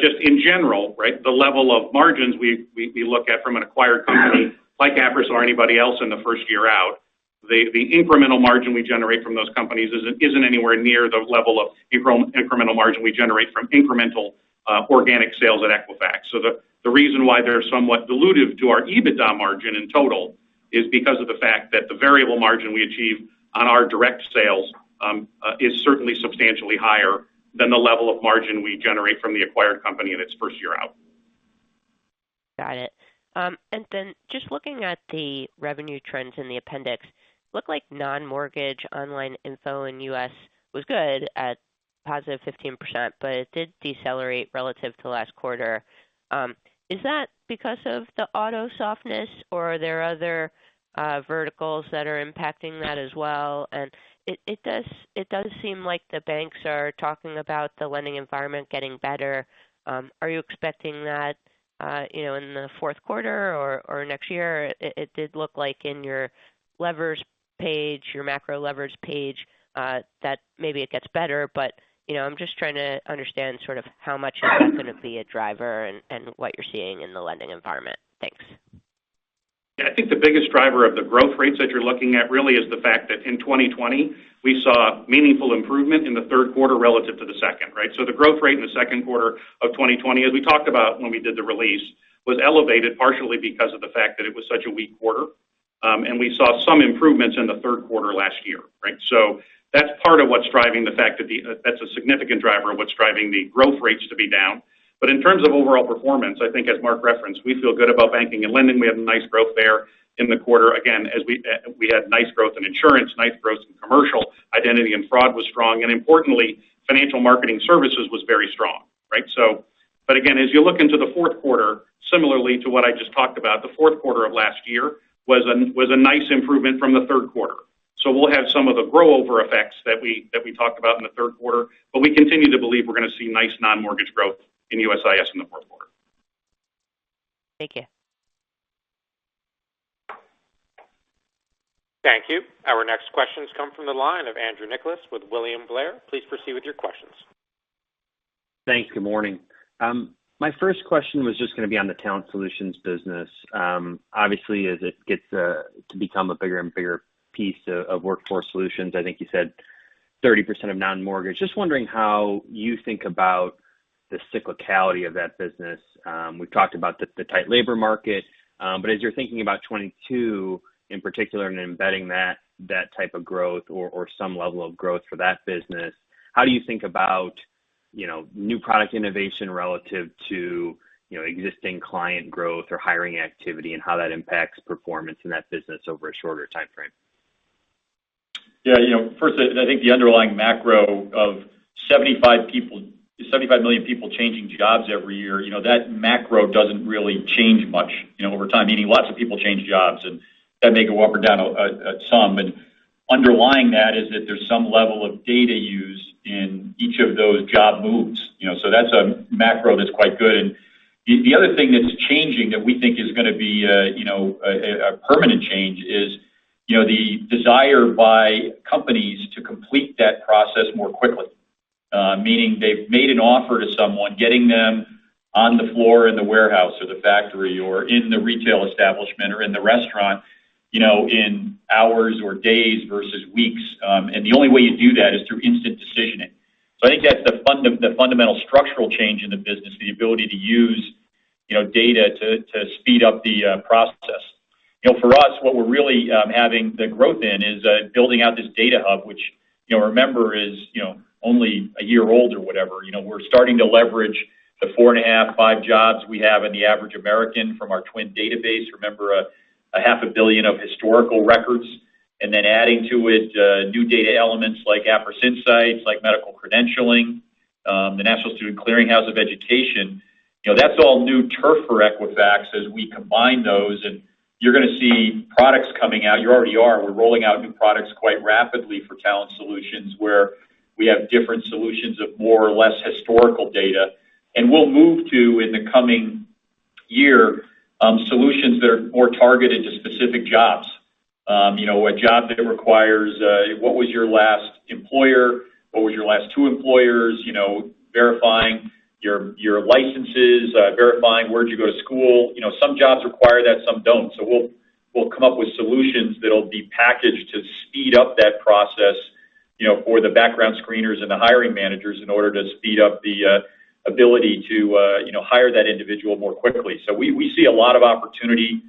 Just in general, right, the level of margins we look at from an acquired company like Appriss or anybody else in the first year out, the incremental margin we generate from those companies isn't anywhere near the level of incremental margin we generate from incremental organic sales at Equifax. The reason why they're somewhat dilutive to our EBITDA margin in total is because of the fact that the variable margin we achieve on our direct sales is certainly substantially higher than the level of margin we generate from the acquired company in its first year out. Got it. Just looking at the revenue trends in the appendix, looked like non-mortgage online info in U.S. was good at positive 15%, but it did decelerate relative to last quarter. Is that because of the auto softness or are there other verticals that are impacting that as well? It does seem like the banks are talking about the lending environment getting better. Are you expecting that in the fourth quarter or next year? It did look like in your levers page, your macro levers page that maybe it gets better, but I'm just trying to understand sort of how much is that going to be a driver and what you're seeing in the lending environment. Thanks. Yeah. I think the biggest driver of the growth rates that you're looking at really is the fact that in 2020 we saw meaningful improvement in the third quarter relative to the second, right? The growth rate in the second quarter of 2020, as we talked about when we did the release, was elevated partially because of the fact that it was such a weak quarter. We saw some improvements in the third quarter last year. That's a significant driver of what's driving the growth rates to be down. In terms of overall performance, I think as Mark referenced, we feel good about banking and lending. We had nice growth there in the quarter. Again, we had nice growth in insurance, nice growth in commercial. Identity and fraud was strong, and importantly, financial marketing services was very strong. Again, as you look into the fourth quarter, similarly to what I just talked about, the fourth quarter of last year was a nice improvement from the third quarter. We'll have some of the grow over effects that we talked about in the third quarter, but we continue to believe we're going to see nice non-mortgage growth in USIS in the fourth quarter. Thank you. Thank you. Our next questions come from the line of Andrew Nicholas with William Blair. Please proceed with your questions. Thanks. Good morning. My first question was just going to be on the Talent Solutions business. Obviously, as it gets to become a bigger and bigger piece of Workforce Solutions, I think you said 30% of non-mortgage. Just wondering how you think about the cyclicality of that business. We've talked about the tight labor market. As you're thinking about 2022 in particular and embedding that type of growth or some level of growth for that business, how do you think about new product innovation relative to existing client growth or hiring activity and how that impacts performance in that business over a shorter time frame? Yeah. First, I think the underlying macro of 75 million people changing jobs every year, that macro doesn't really change much over time, meaning lots of people change jobs, and that may go up or down some. Underlying that is that there's some level of data used in each of those job moves. That's a macro that's quite good. The other thing that's changing that we think is going to be a permanent change is the desire by companies to complete that process more quickly. Meaning they've made an offer to someone, getting them on the floor in the warehouse or the factory or in the retail establishment or in the restaurant in hours or days versus weeks. The only way you do that is through instant decisioning. I think that's the fundamental structural change in the business, the ability to use data to speed up the process. For us, what we're really having the growth in is building out this data hub, which remember is only 1 year old or whatever. We're starting to leverage the 4.5 jobs we have in the average American from our The Work Number database. Remember, 0.5 billion of historical records, and then adding to it new data elements like Appriss Insights, like medical credentialing, the National Student Clearinghouse of Education. That's all new turf for Equifax as we combine those, and you're going to see products coming out. You already are. We're rolling out new products quite rapidly for Talent Solutions, where we have different solutions of more or less historical data. We'll move to, in the coming year, solutions that are more targeted to specific jobs. A job that requires what was your last employer? What was your last 2 employers? Verifying your licenses, verifying where'd you go to school. Some jobs require that, some don't. We'll come up with solutions that'll be packaged to speed up that process for the background screeners and the hiring managers in order to speed up the ability to hire that individual more quickly. We see a lot of opportunity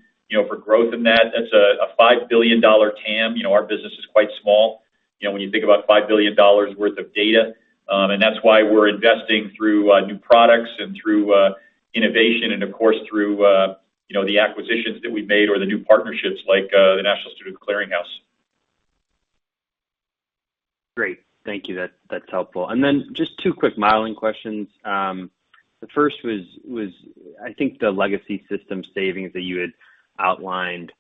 for growth in that. That's a $5 billion TAM. Our business is quite small when you think about $5 billion worth of data. That's why we're investing through new products and through innovation and, of course, through the acquisitions that we've made or the new partnerships like the National Student Clearinghouse. Great. Thank you. That's helpful. Then just 2 quick modeling questions. The first was, I think the legacy system savings that you had outlined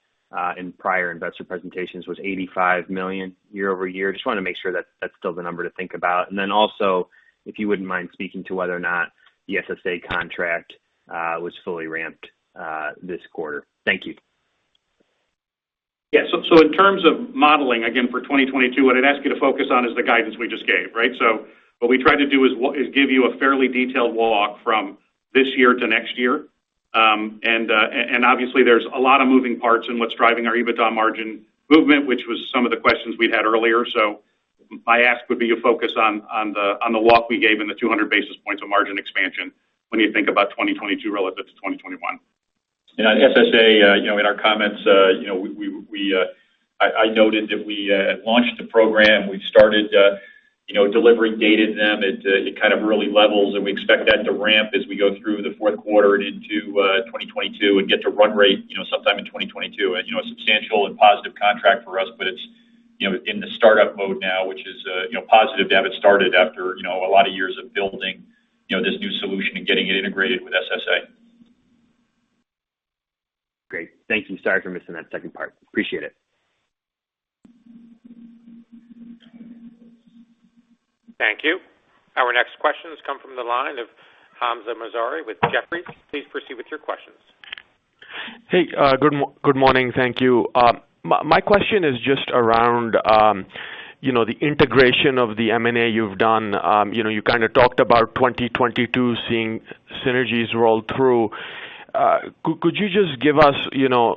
in prior investor presentations was $85 million year-over-year. Just want to make sure that's still the number to think about. Also, if you wouldn't mind speaking to whether or not the SSA contract was fully ramped this quarter. Thank you. Yeah. In terms of modeling, again, for 2022, what I'd ask you to focus on is the guidance we just gave. What we tried to do is give you a fairly detailed walk from this year to next year. Obviously there's a lot of moving parts in what's driving our EBITDA margin movement, which was some of the questions we had earlier. My ask would be to focus on the walk we gave and the 200 basis points of margin expansion when you think about 2022 relative to 2021. On SSA, in our comments I noted that we had launched the program. We've started delivering data to them at early levels, and we expect that to ramp as we go through the fourth quarter and into 2022 and get to run rate sometime in 2022. A substantial and positive contract for us, but it's in the startup mode now, which is positive to have it started after a lot of years of building this new solution and getting it integrated with SSA. Great. Thank you. Sorry for missing that second part. Appreciate it. Thank you. Our next questions come from the line of Hamzah Mazari with Jefferies. Please proceed with your questions. Hey, good morning. Thank you. My question is just around the integration of the M&A you've done. You kind of talked about 2022 seeing synergies roll through. Could you just give us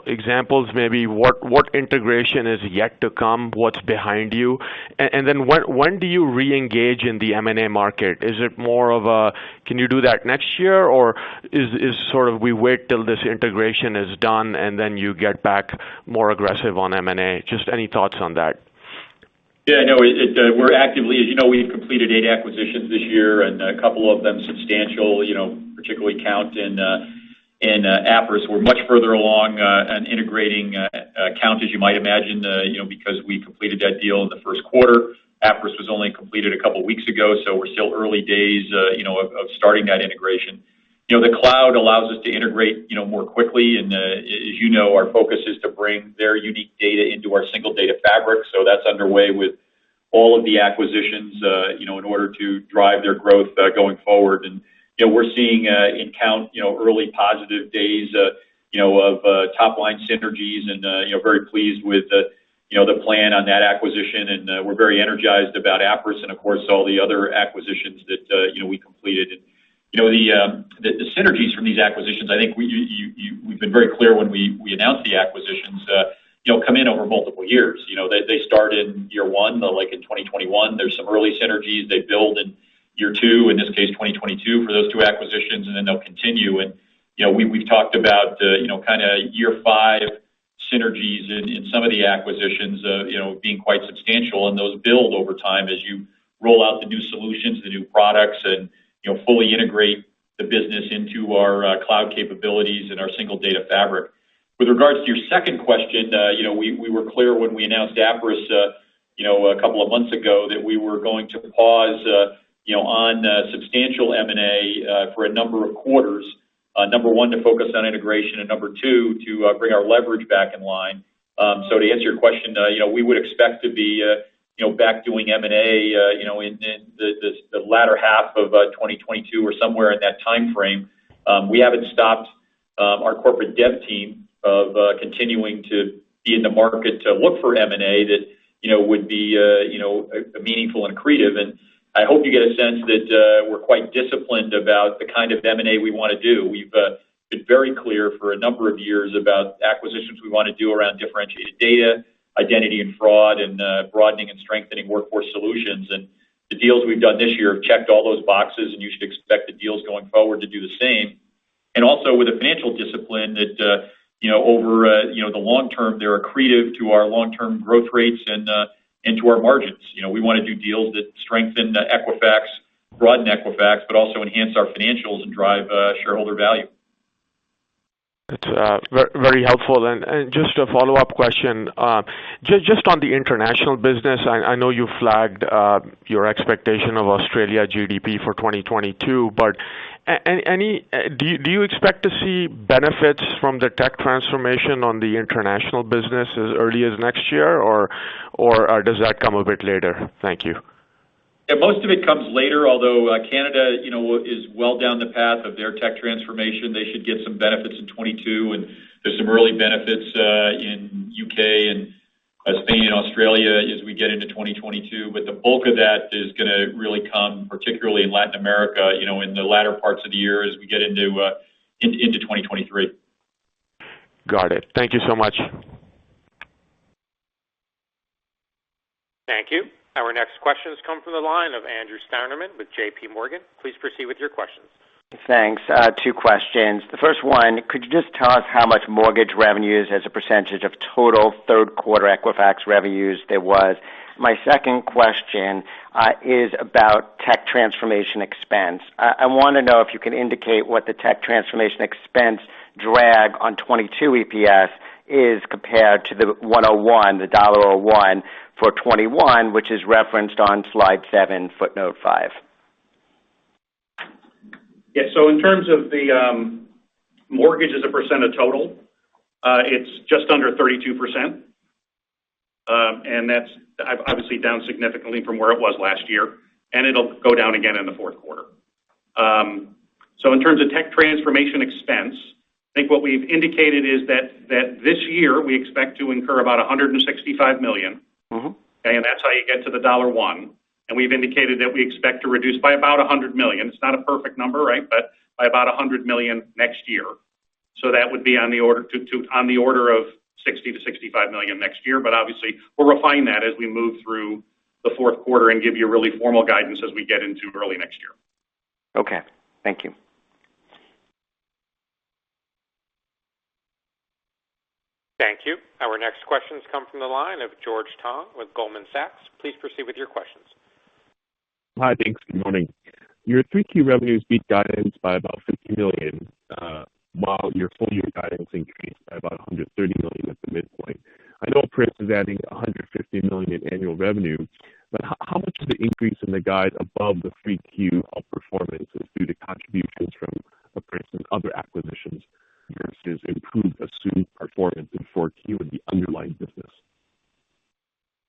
examples maybe what integration is yet to come, what's behind you? When do you reengage in the M&A market? Is it more of a can you do that next year, or is sort of we wait till this integration is done and then you get back more aggressive on M&A? Just any thoughts on that. I know. As you know, we've completed eight acquisitions this year, and a couple of them substantial, particularly Kount and Appriss. We're much further along on integrating Kount, as you might imagine, because we completed that deal in the first quarter. Appriss was only completed a couple of weeks ago, so we're still early days of starting that integration. The Equifax Cloud allows us to integrate more quickly, and as you know, our focus is to bring their unique data into our single data fabric. That's underway with all of the acquisitions in order to drive their growth going forward. We're seeing in Kount early positive days of top-line synergies and very pleased with the plan on that acquisition. We're very energized about Appriss and of course, all the other acquisitions that we completed. The synergies from these acquisitions, I think we've been very clear when we announced the acquisitions, come in over multiple years. They start in year one, like in 2021. There's some early synergies they build in year two, in this case 2022 for those two acquisitions. They'll continue. We've talked about year five synergies in some of the acquisitions being quite substantial. Those build over time as you roll out the new solutions, the new products, and fully integrate the business into our Equifax Cloud capabilities and our single data fabric. With regards to your second question, we were clear when we announced Appriss a couple of months ago that we were going to pause on substantial M&A for a number of quarters. Number one, to focus on integration, and number two, to bring our leverage back in line. To answer your question, we would expect to be back doing M&A in the latter half of 2022 or somewhere in that timeframe. We haven't stopped our corporate dev team of continuing to be in the market to look for M&A that would be meaningful and accretive, and I hope you get a sense that we're quite disciplined about the kind of M&A we want to do. We've been very clear for a number of years about acquisitions we want to do around differentiated data, identity and fraud, and broadening and strengthening Workforce Solutions. The deals we've done this year have checked all those boxes, and you should expect the deals going forward to do the same. Also with a financial discipline that over the long term, they're accretive to our long-term growth rates and to our margins. We want to do deals that strengthen Equifax, broaden Equifax, but also enhance our financials and drive shareholder value. That's very helpful. Just a follow-up question. Just on the international business, I know you flagged your expectation of Australia GDP for 2022, do you expect to see benefits from the tech transformation on the international business as early as next year, or does that come a bit later? Thank you. Yeah, most of it comes later, although Canada is well down the path of their tech transformation. They should get some benefits in 2022, there's some early benefits in U.K. and Spain and Australia as we get into 2022. The bulk of that is going to really come, particularly in Latin America, in the latter parts of the year as we get into 2023. Got it. Thank you so much. Thank you. Our next questions come from the line of Andrew Steinerman with JPMorgan. Please proceed with your questions. Thanks. Two questions. The first one, could you just tell us how much mortgage revenues as a percentage of total third quarter Equifax revenues there was? My second question is about tech transformation expense. I want to know if you can indicate what the tech transformation expense drag on 2022 EPS is compared to the $1.01 for 2021, which is referenced on slide seven, footnote five. Yeah. In terms of the mortgage as a percent of total, it's just under 32%, and that's obviously down significantly from where it was last year. It'll go down again in the fourth quarter. In terms of tech transformation expense, I think what we've indicated is that this year we expect to incur about $165 million. Okay. That's how you get to the $1. We've indicated that we expect to reduce by about $100 million. It's not a perfect number, but by about $100 million next year. That would be on the order of $60 million-$65 million next year. Obviously, we'll refine that as we move through the fourth quarter and give you a really formal guidance as we get into early next year. Okay. Thank you. Thank you. Our next questions come from the line of George Tong with Goldman Sachs. Please proceed with your questions. Hi, thanks. Good morning. Your 3Q revenues beat guidance by about $50 million, while your full year guidance increased by about $130 million at the midpoint. I know Appriss is adding $150 million in annual revenue, how much of the increase in the guide above the 3Q outperformance is due to contributions from Appriss and other acquisitions versus improved assumed performance in 4Q in the underlying business?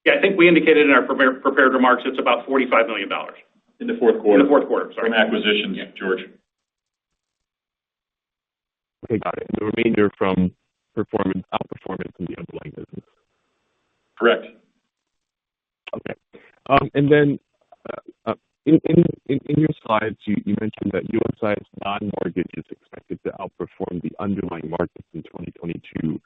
Yeah, I think we indicated in our prepared remarks it's about $45 million in the fourth quarter, sorry, from acquisitions, George. Okay, got it. The remainder from outperformance in the underlying business. Correct. Okay. In your slides, you mentioned that USIS's non-mortgage is expected to outperform the underlying markets in 2022.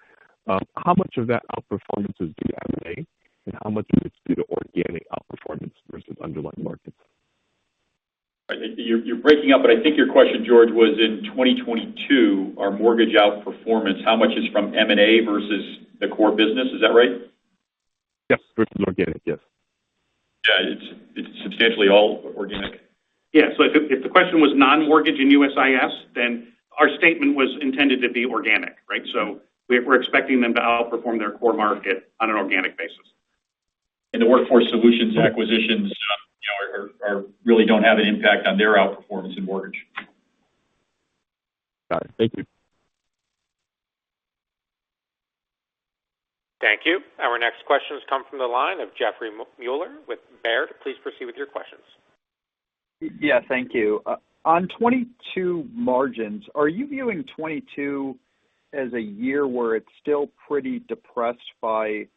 How much of that outperformance is due to M&A, and how much of it is due to organic outperformance versus underlying markets? You're breaking up, but I think your question, George, was in 2022, our mortgage outperformance, how much is from M&A versus the core business? Is that right? Yes. Just organic, yes. Yeah. It's substantially all organic. If the question was non-mortgage and USIS, then our statement was intended to be organic, right? We're expecting them to outperform their core market on an organic basis. The Workforce Solutions acquisitions really don't have an impact on their outperformance in mortgage. Got it. Thank you. Thank you. Our next questions come from the line of Jeffrey Meuler with Baird. Please proceed with your questions. Yeah. Thank you. On 2022 margins, are you viewing 2022 as a year where it's still pretty depressed by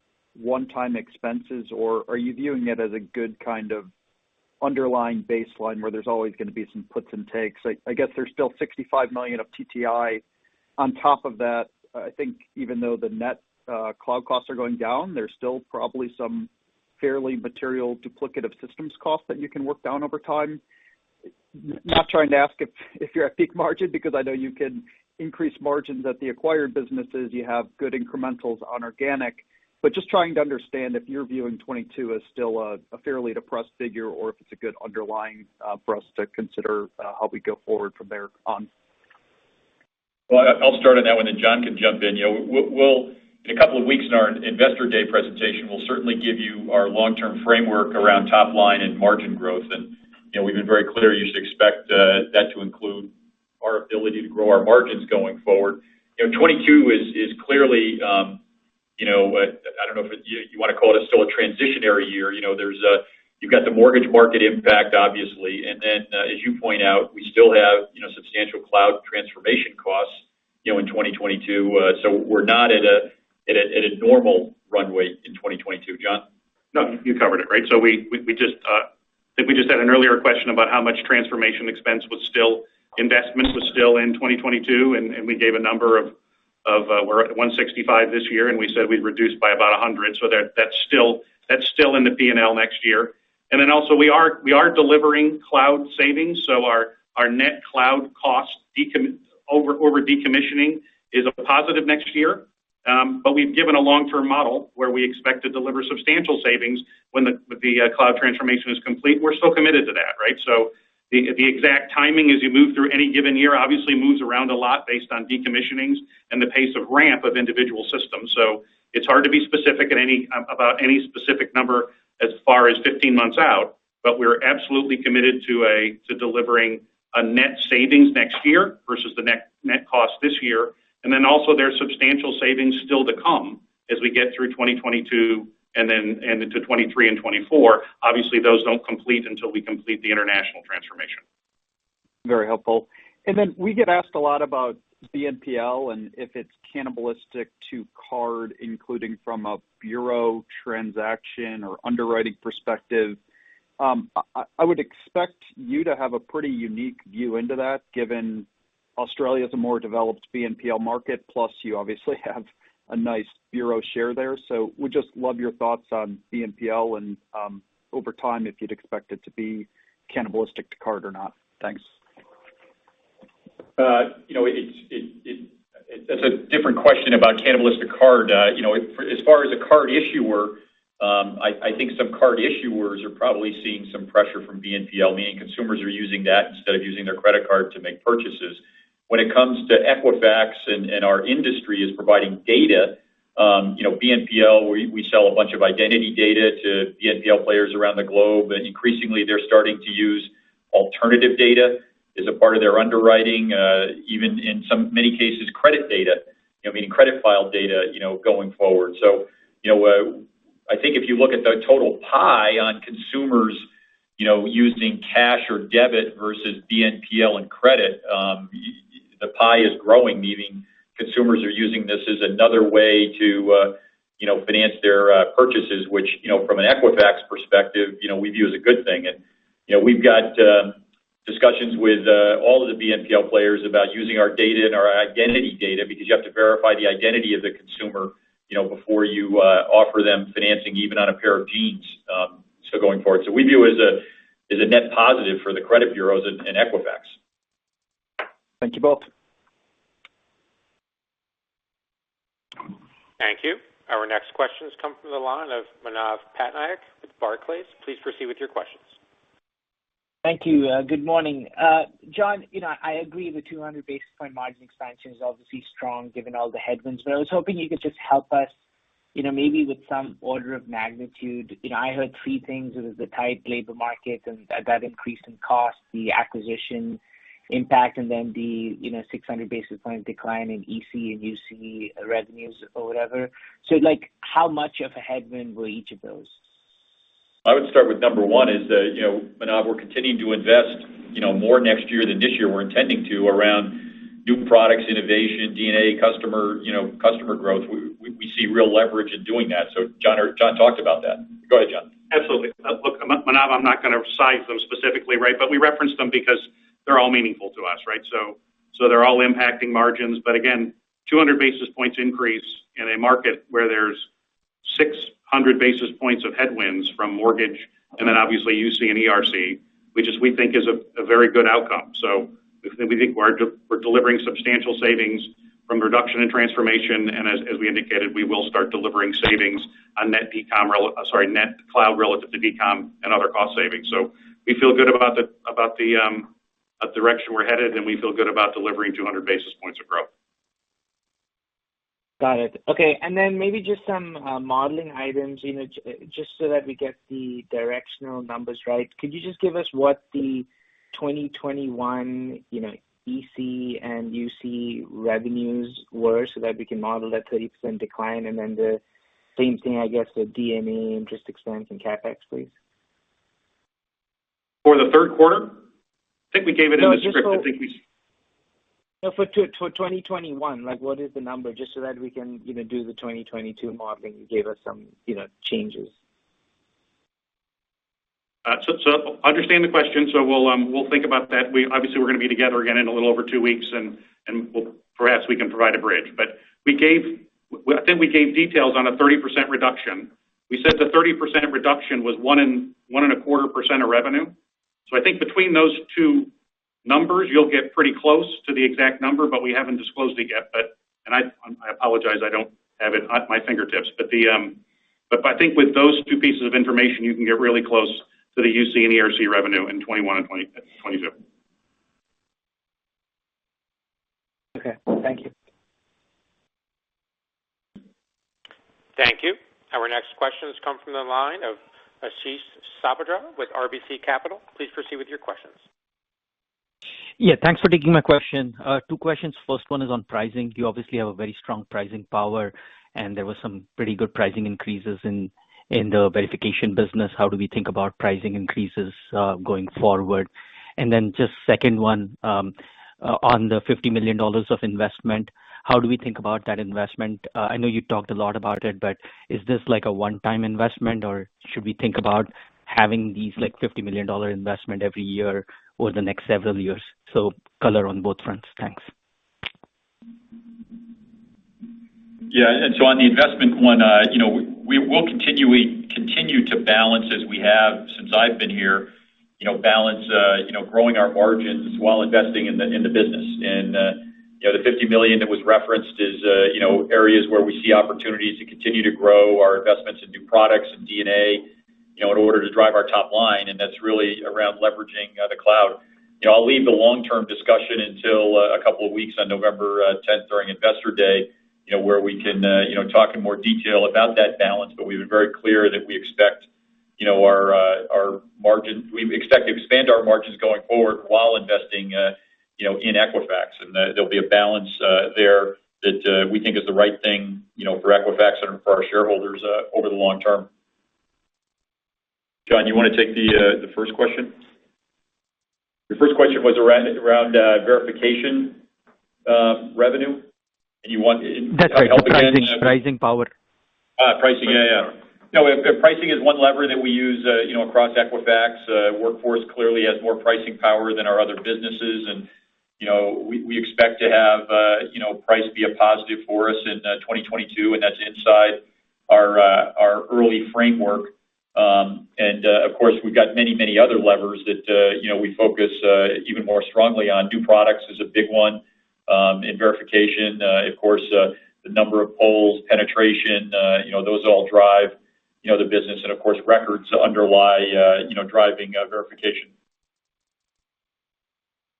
one-time expenses? Are you viewing it as a good kind of underlying baseline where there's always going to be some puts and takes? I guess there's still $65 million of TTI on top of that. I think even though the net cloud costs are going down, there's still probably some fairly material duplicative systems costs that you can work down over time. Not trying to ask if you're at peak margin, because I know you can increase margins at the acquired businesses. You have good incrementals on organic, just trying to understand if you're viewing 2022 as still a fairly depressed figure or if it's a good underlying for us to consider how we go forward from there on. Well, I'll start on that one, then John can jump in. In a couple of weeks, in our Investor Day presentation, we'll certainly give you our long-term framework around top line and margin growth. We've been very clear, you should expect that to include our ability to grow our margins going forward. 2022 is clearly, I don't know if you want to call it still a transitionary year. You've got the mortgage market impact, obviously. As you point out, we still have substantial cloud transformation costs in 2022. We're not at a normal runway in 2022. John? No, you covered it. I think we just had an earlier question about how much transformation expense investment was still in 2022. We gave a number of we're at $165 this year, and we said we'd reduce by about $100, so that's still in the P&L next year. Also we are delivering cloud savings, so our net cloud cost over decommissioning is a positive next year. We've given a long-term model where we expect to deliver substantial savings when the cloud transformation is complete. We're still committed to that, right? The exact timing as you move through any given year obviously moves around a lot based on decommissionings and the pace of ramp of individual systems. It's hard to be specific about any specific number as far as 15 months out, but we're absolutely committed to delivering a net savings next year versus the net cost this year. There's substantial savings still to come as we get through 2022 and into 2023 and 2024. Those don't complete until we complete the international transformation. Very helpful. We get asked a lot about BNPL and if it's cannibalistic to card, including from a bureau transaction or underwriting perspective. I would expect you to have a pretty unique view into that, given Australia's a more developed BNPL market, plus you obviously have a nice bureau share there. Would just love your thoughts on BNPL and, over time, if you'd expect it to be cannibalistic to card or not. Thanks. That's a different question about cannibalistic card. As far as a card issuer, I think some card issuers are probably seeing some pressure from BNPL, meaning consumers are using that instead of using their credit card to make purchases. When it comes to Equifax and our industry as providing data, BNPL, we sell a bunch of identity data to BNPL players around the globe, and increasingly they're starting to use alternative data as a part of their underwriting. Even in many cases, credit data, meaning credit file data, going forward. I think if you look at the total pie on consumers using cash or debit versus BNPL and credit, the pie is growing, meaning consumers are using this as another way to finance their purchases, which from an Equifax perspective we view as a good thing. We've got discussions with all of the BNPL players about using our data and our identity data because you have to verify the identity of the consumer before you offer them financing, even on a pair of jeans going forward. We view it as a net positive for the credit bureaus and Equifax. Thank you both. Thank you. Our next questions come from the line of Manav Patnaik with Barclays. Please proceed with your questions. Thank you. Good morning. John, I agree the 200 basis point margin expansion is obviously strong given all the headwinds. I was hoping you could just help us maybe with some order of magnitude. I heard three things. There was the tight labor market and that increase in cost, the acquisition impact, and then the 600 basis points decline in EC and UC revenues or whatever. How much of a headwind were each of those? I would start with number one is that, Manav, we're continuing to invest more next year than this year. We're intending to around new products innovation, D&A customer growth. We see real leverage in doing that. John talked about that. Go ahead, John. Absolutely. Look, Manav, I'm not going to size them specifically, but we reference them because they're all meaningful to us. They're all impacting margins. Again, 200 basis points increase in a market where there's 600 basis points of headwinds from mortgage, then obviously UC and ERC, which we think is a very good outcome. We think we're delivering substantial savings from the reduction in transformation, and as we indicated, we will start delivering savings on net cloud relative to de-com and other cost savings. We feel good about the direction we're headed, and we feel good about delivering 200 basis points of growth. Got it. Okay. Maybe just some modeling items, just so that we get the directional numbers right. Could you just give us what the 2021 EC and UC revenues were so that we can model that 30% decline? The same thing, I guess, with DMA interest expense and CapEx, please. For the third quarter? I think we gave it in the script. For 2021, what is the number? Just so that we can do the 2022 modeling. You gave us some changes. Understand the question, we'll think about that. Obviously, we're going to be together again in a little over two weeks, and perhaps we can provide a bridge. I think we gave details on a 30% reduction. We said the 30% reduction was one-quarter percent of revenue. I think between those two numbers, you'll get pretty close to the exact number, but we haven't disclosed it yet. I apologize, I don't have it at my fingertips. I think with those 2 pieces of information, you can get really close to the UC and ERC revenue in 2021 and 2022. Okay. Thank you. Thank you. Our next question has come from the line of Ashish Sabadra with RBC Capital. Please proceed with your questions. Yeah, thanks for taking my question. Two questions. First one is on pricing. You obviously have a very strong pricing power, and there was some pretty good pricing increases in the verification business. How do we think about pricing increases going forward? Just second one, on the $50 million of investment, how do we think about that investment? I know you talked a lot about it, but is this like a one-time investment, or should we think about having these $50 million investment every year over the next several years? Color on both fronts. Thanks. Yeah. On the investment one, we'll continue to balance as we have since I've been here, balance growing our margins while investing in the business. The $50 million that was referenced is areas where we see opportunities to continue to grow our investments in new products and D&A in order to drive our top line, and that's really around leveraging the cloud. I'll leave the long-term discussion until a couple of weeks on November 10th during Investor Day, where we can talk in more detail about that balance. But we've been very clear that we expect to expand our margins going forward while investing in Equifax. There'll be a balance there that we think is the right thing for Equifax and for our shareholders over the long term. John, you want to take the first question? Your first question was around verification revenue. You want- That's right. Pricing power. Pricing. Pricing is one lever that we use across Equifax. Workforce clearly has more pricing power than our other businesses. We expect to have price be a positive for us in 2022, and that's inside our early framework. Of course, we've got many other levers that we focus even more strongly on. New products is a big one in verification. Of course, the number of polls, penetration, those all drive the business. Of course, records underlie driving verification.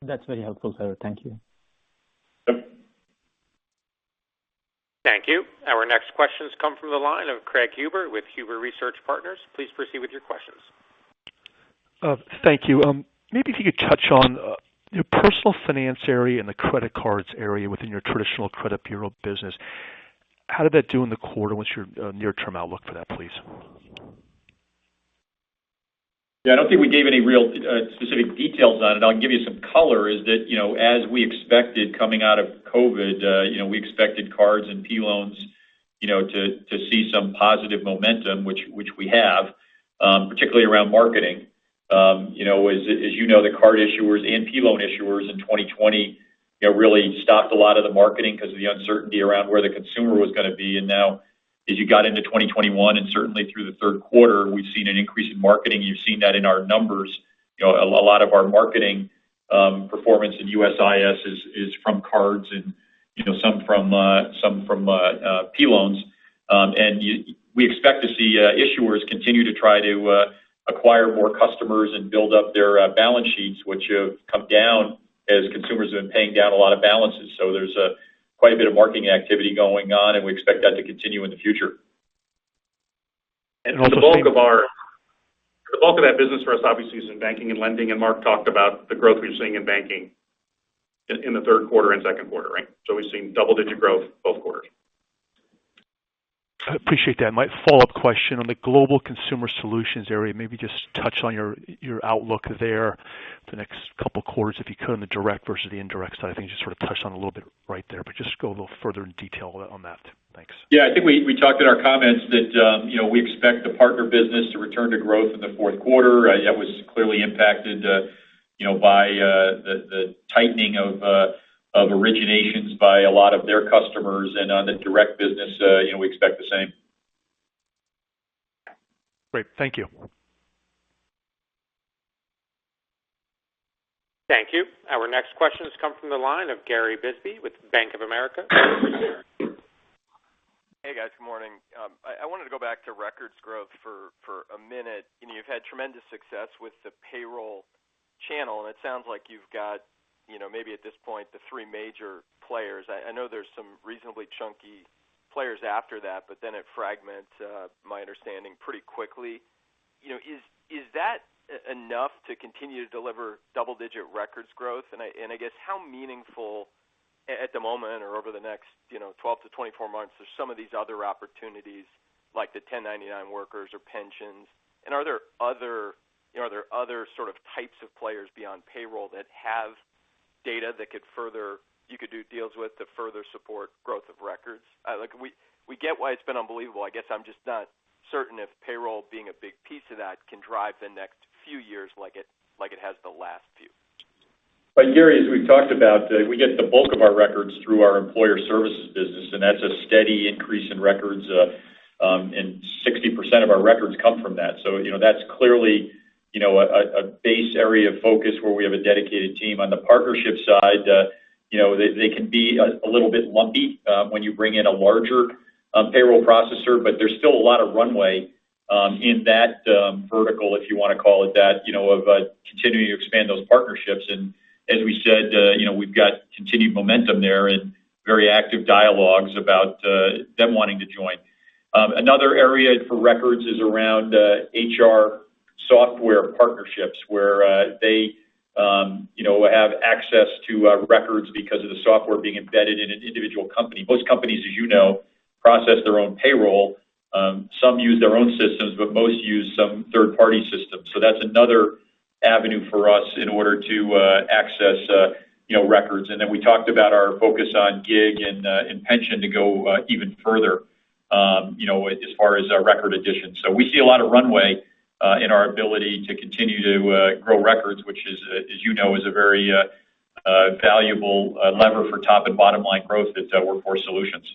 That's very helpful, sir. Thank you. Yep. Thank you. Our next question has come from the line of Craig Huber with Huber Research Partners. Please proceed with your questions. Thank you. If you could touch on your personal finance area and the credit cards area within your traditional credit bureau business. How did that do in the quarter? What's your near-term outlook for that, please? Yeah, I don't think we gave any real specific details on it. I'll give you some color, is that, as we expected coming out of COVID, we expected cards and P loans to see some positive momentum, which we have, particularly around marketing. As you know, the card issuers and P loan issuers in 2020 really stopped a lot of the marketing because of the uncertainty around where the consumer was going to be. Now, as you got into 2021, and certainly through the third quarter, we've seen an increase in marketing. You've seen that in our numbers. A lot of our marketing performance in USIS is from cards and some from P loans. We expect to see issuers continue to try to acquire more customers and build up their balance sheets, which have come down as consumers have been paying down a lot of balances. There's quite a bit of marketing activity going on, and we expect that to continue in the future. The bulk of that business for us obviously is in banking and lending, and Mark talked about the growth we're seeing in banking in the third quarter and second quarter, right? We've seen double-digit growth both quarters. I appreciate that. My follow-up question on the Global Consumer Solutions area, maybe just touch on your outlook there the next couple of quarters, if you could, on the direct versus the indirect side. I think you just sort of touched on a little bit right there, just go a little further in detail on that. Thanks. Yeah. I think we talked in our comments that we expect the partner business to return to growth in the fourth quarter. That was clearly impacted by the tightening of originations by a lot of their customers, and on the direct business, we expect the same. Great. Thank you. Thank you. Our next question has come from the line of Gary Bisbee with Bank of America. Hey, guys. Good morning. I wanted to go back to records growth for a minute. You've had tremendous success with the payroll channel, and it sounds like you've got, maybe at this point, the three major players. I know there's some reasonably chunky players after that, but then it fragments, my understanding, pretty quickly. Is that enough to continue to deliver double-digit records growth? I guess how meaningful, at the moment or over the next 12-24 months, are some of these other opportunities, like the 1099 workers or pensions? Are there other types of players beyond payroll that have data that you could do deals with to further support growth of records? We get why it's been unbelievable. I guess I'm just not certain if payroll being a big piece of that can drive the next few years like it has the last few. Gary, as we've talked about, we get the bulk of our records through our employer services business, that's a steady increase in records. 60% of our records come from that. That's clearly a base area of focus where we have a dedicated team. On the partnership side, they can be a little bit lumpy when you bring in a larger payroll processor. There's still a lot of runway in that vertical, if you want to call it that, of continuing to expand those partnerships. As we said, we've got continued momentum there and very active dialogues about them wanting to join. Another area for records is around HR software partnerships where they have access to records because of the software being embedded in an individual company. Most companies, as you know, process their own payroll. Some use their own systems, but most use some third-party system. That's another avenue for us in order to access records. We talked about our focus on Gig and pension to go even further as far as our record addition. We see a lot of runway in our ability to continue to grow records, which as you know, is a very valuable lever for top and bottom line growth at Workforce Solutions.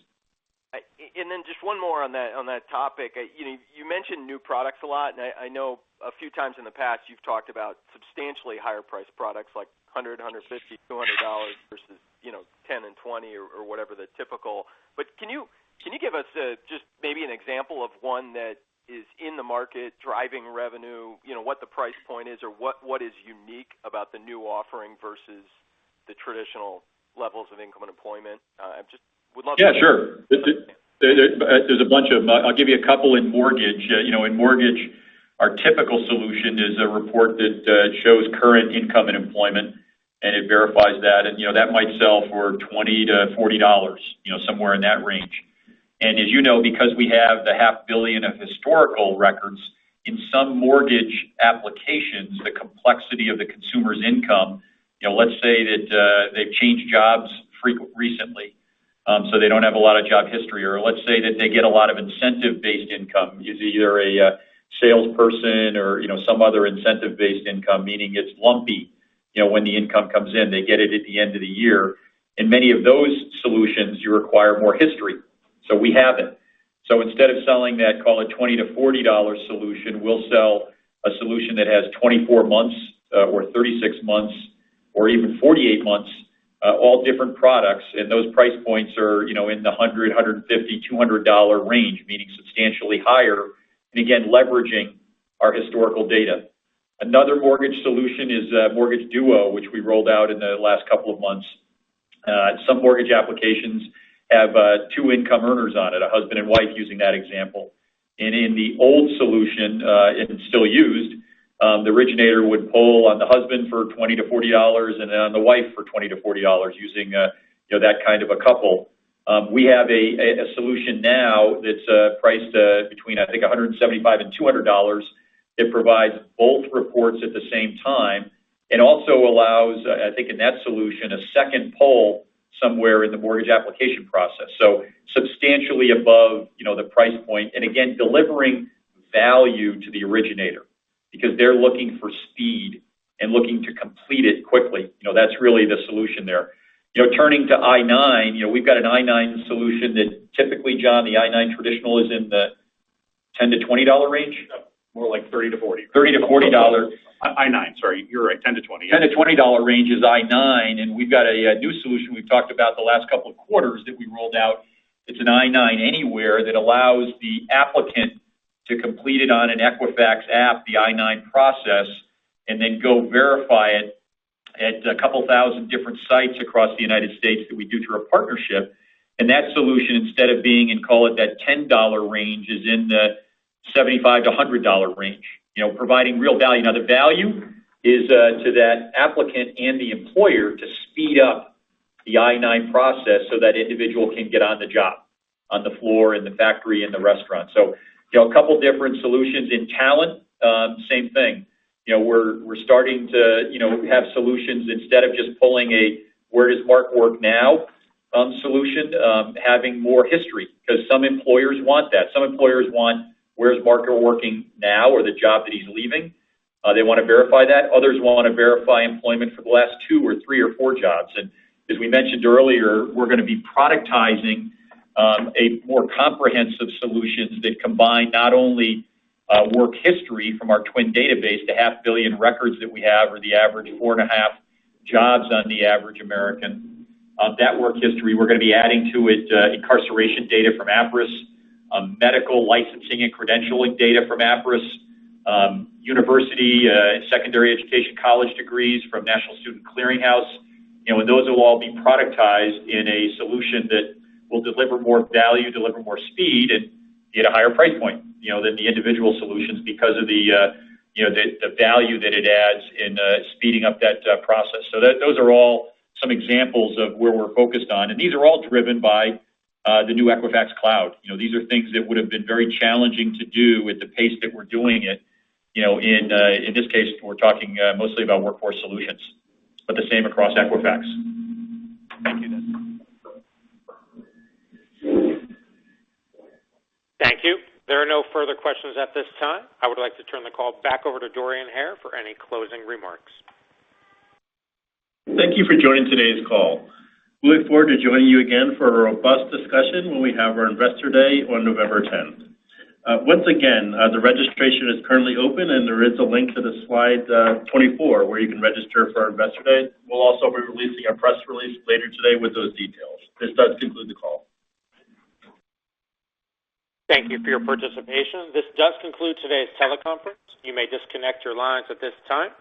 Then just one more on that topic. You mention new products a lot, and I know a few times in the past you've talked about substantially higher-priced products, like $100, $150, $200 versus $10 and $20 or whatever the typical. Can you give us just maybe an example of one that is in the market driving revenue, what the price point is or what is unique about the new offering versus the traditional levels of income and employment? Yeah, sure. There's a bunch of them. I'll give you 2 in mortgage. In mortgage, our typical solution is a report that shows current income and employment, and it verifies that. That might sell for $20-$40, somewhere in that range. As you know, because we have the $0.5 billion of historical records, in some mortgage applications, the complexity of the consumer's income, let's say that they've changed jobs recently, so they don't have a lot of job history, or let's say that they get a lot of incentive-based income, is either a salesperson or some other incentive-based income, meaning it's lumpy when the income comes in. They get it at the end of the year. In many of those solutions, you require more history. We have it. Instead of selling that, call it $20 to $40 solution, we'll sell a solution that has 24 months or 36 months or even 48 months all different products. Those price points are in the $100, $150, $200 range, meaning substantially higher, and again, leveraging our historical data. Another mortgage solution is Mortgage Duo, which we rolled out in the last couple of months. Some mortgage applications have two income earners on it, a husband and wife using that example. In the old solution, and it's still used, the originator would pull on the husband for $20 to $40 and then on the wife for $20 to $40 using that kind of a couple. We have a solution now that's priced between, I think, $175 and $200. It provides both reports at the same time and also allows, I think in that solution, a second pull somewhere in the mortgage application process. Substantially above the price point and again, delivering value to the originator because they're looking for speed and looking to complete it quickly. That's really the solution there. Turning to I-9. We've got an I-9 solution that typically, John, the I-9 traditional is in the $10-$20 range? More like $30-$40. $30-$40. I-9. Sorry. You're right, $10-$20. $10-$20 range is I-9. We've got a new solution we've talked about the last couple of quarters that we rolled out. It's an I-9 Anywhere that allows the applicant to complete it on an Equifax app, the I-9 process, and then go verify it at 2,000 different sites across the U.S. that we do through a partnership. That solution, instead of being in, call it that $10 range, is in the $75-$100 range providing real value. Now the value is to that applicant and the employer to speed up the I-9 process so that individual can get on the job, on the floor, in the factory, in the restaurant. A couple of different solutions in Talent, same thing. We're starting to have solutions instead of just pulling a where does Mark work now solution, having more history because some employers want that. Some employers want where's Mark working now or the job that he's leaving. They want to verify that. Others will want to verify employment for the last two or three or four jobs. As we mentioned earlier, we're going to be productizing a more comprehensive solutions that combine not only work history from our TWN database, the half billion records that we have or the average four and a half jobs on the average American. That work history, we're going to be adding to it incarceration data from Appriss, medical licensing and credentialing data from Appriss, university and secondary education college degrees from National Student Clearinghouse. Those will all be productized in a solution that will deliver more value, deliver more speed and get a higher price point than the individual solutions because of the value that it adds in speeding up that process. Those are all some examples of where we're focused on, and these are all driven by the new Equifax Cloud. These are things that would have been very challenging to do with the pace that we're doing it. In this case, we're talking mostly about Workforce Solutions, but the same across Equifax. Thank you. Thank you. There are no further questions at this time. I would like to turn the call back over to Dorian Hare for any closing remarks. Thank you for joining today's call. We look forward to joining you again for a robust discussion when we have our Investor Day on November 10th. Once again, the registration is currently open. There is a link to the slide 24 where you can register for our Investor Day. We'll also be releasing a press release later today with those details. This does conclude the call. Thank you for your participation. This does conclude today's teleconference. You may disconnect your lines at this time.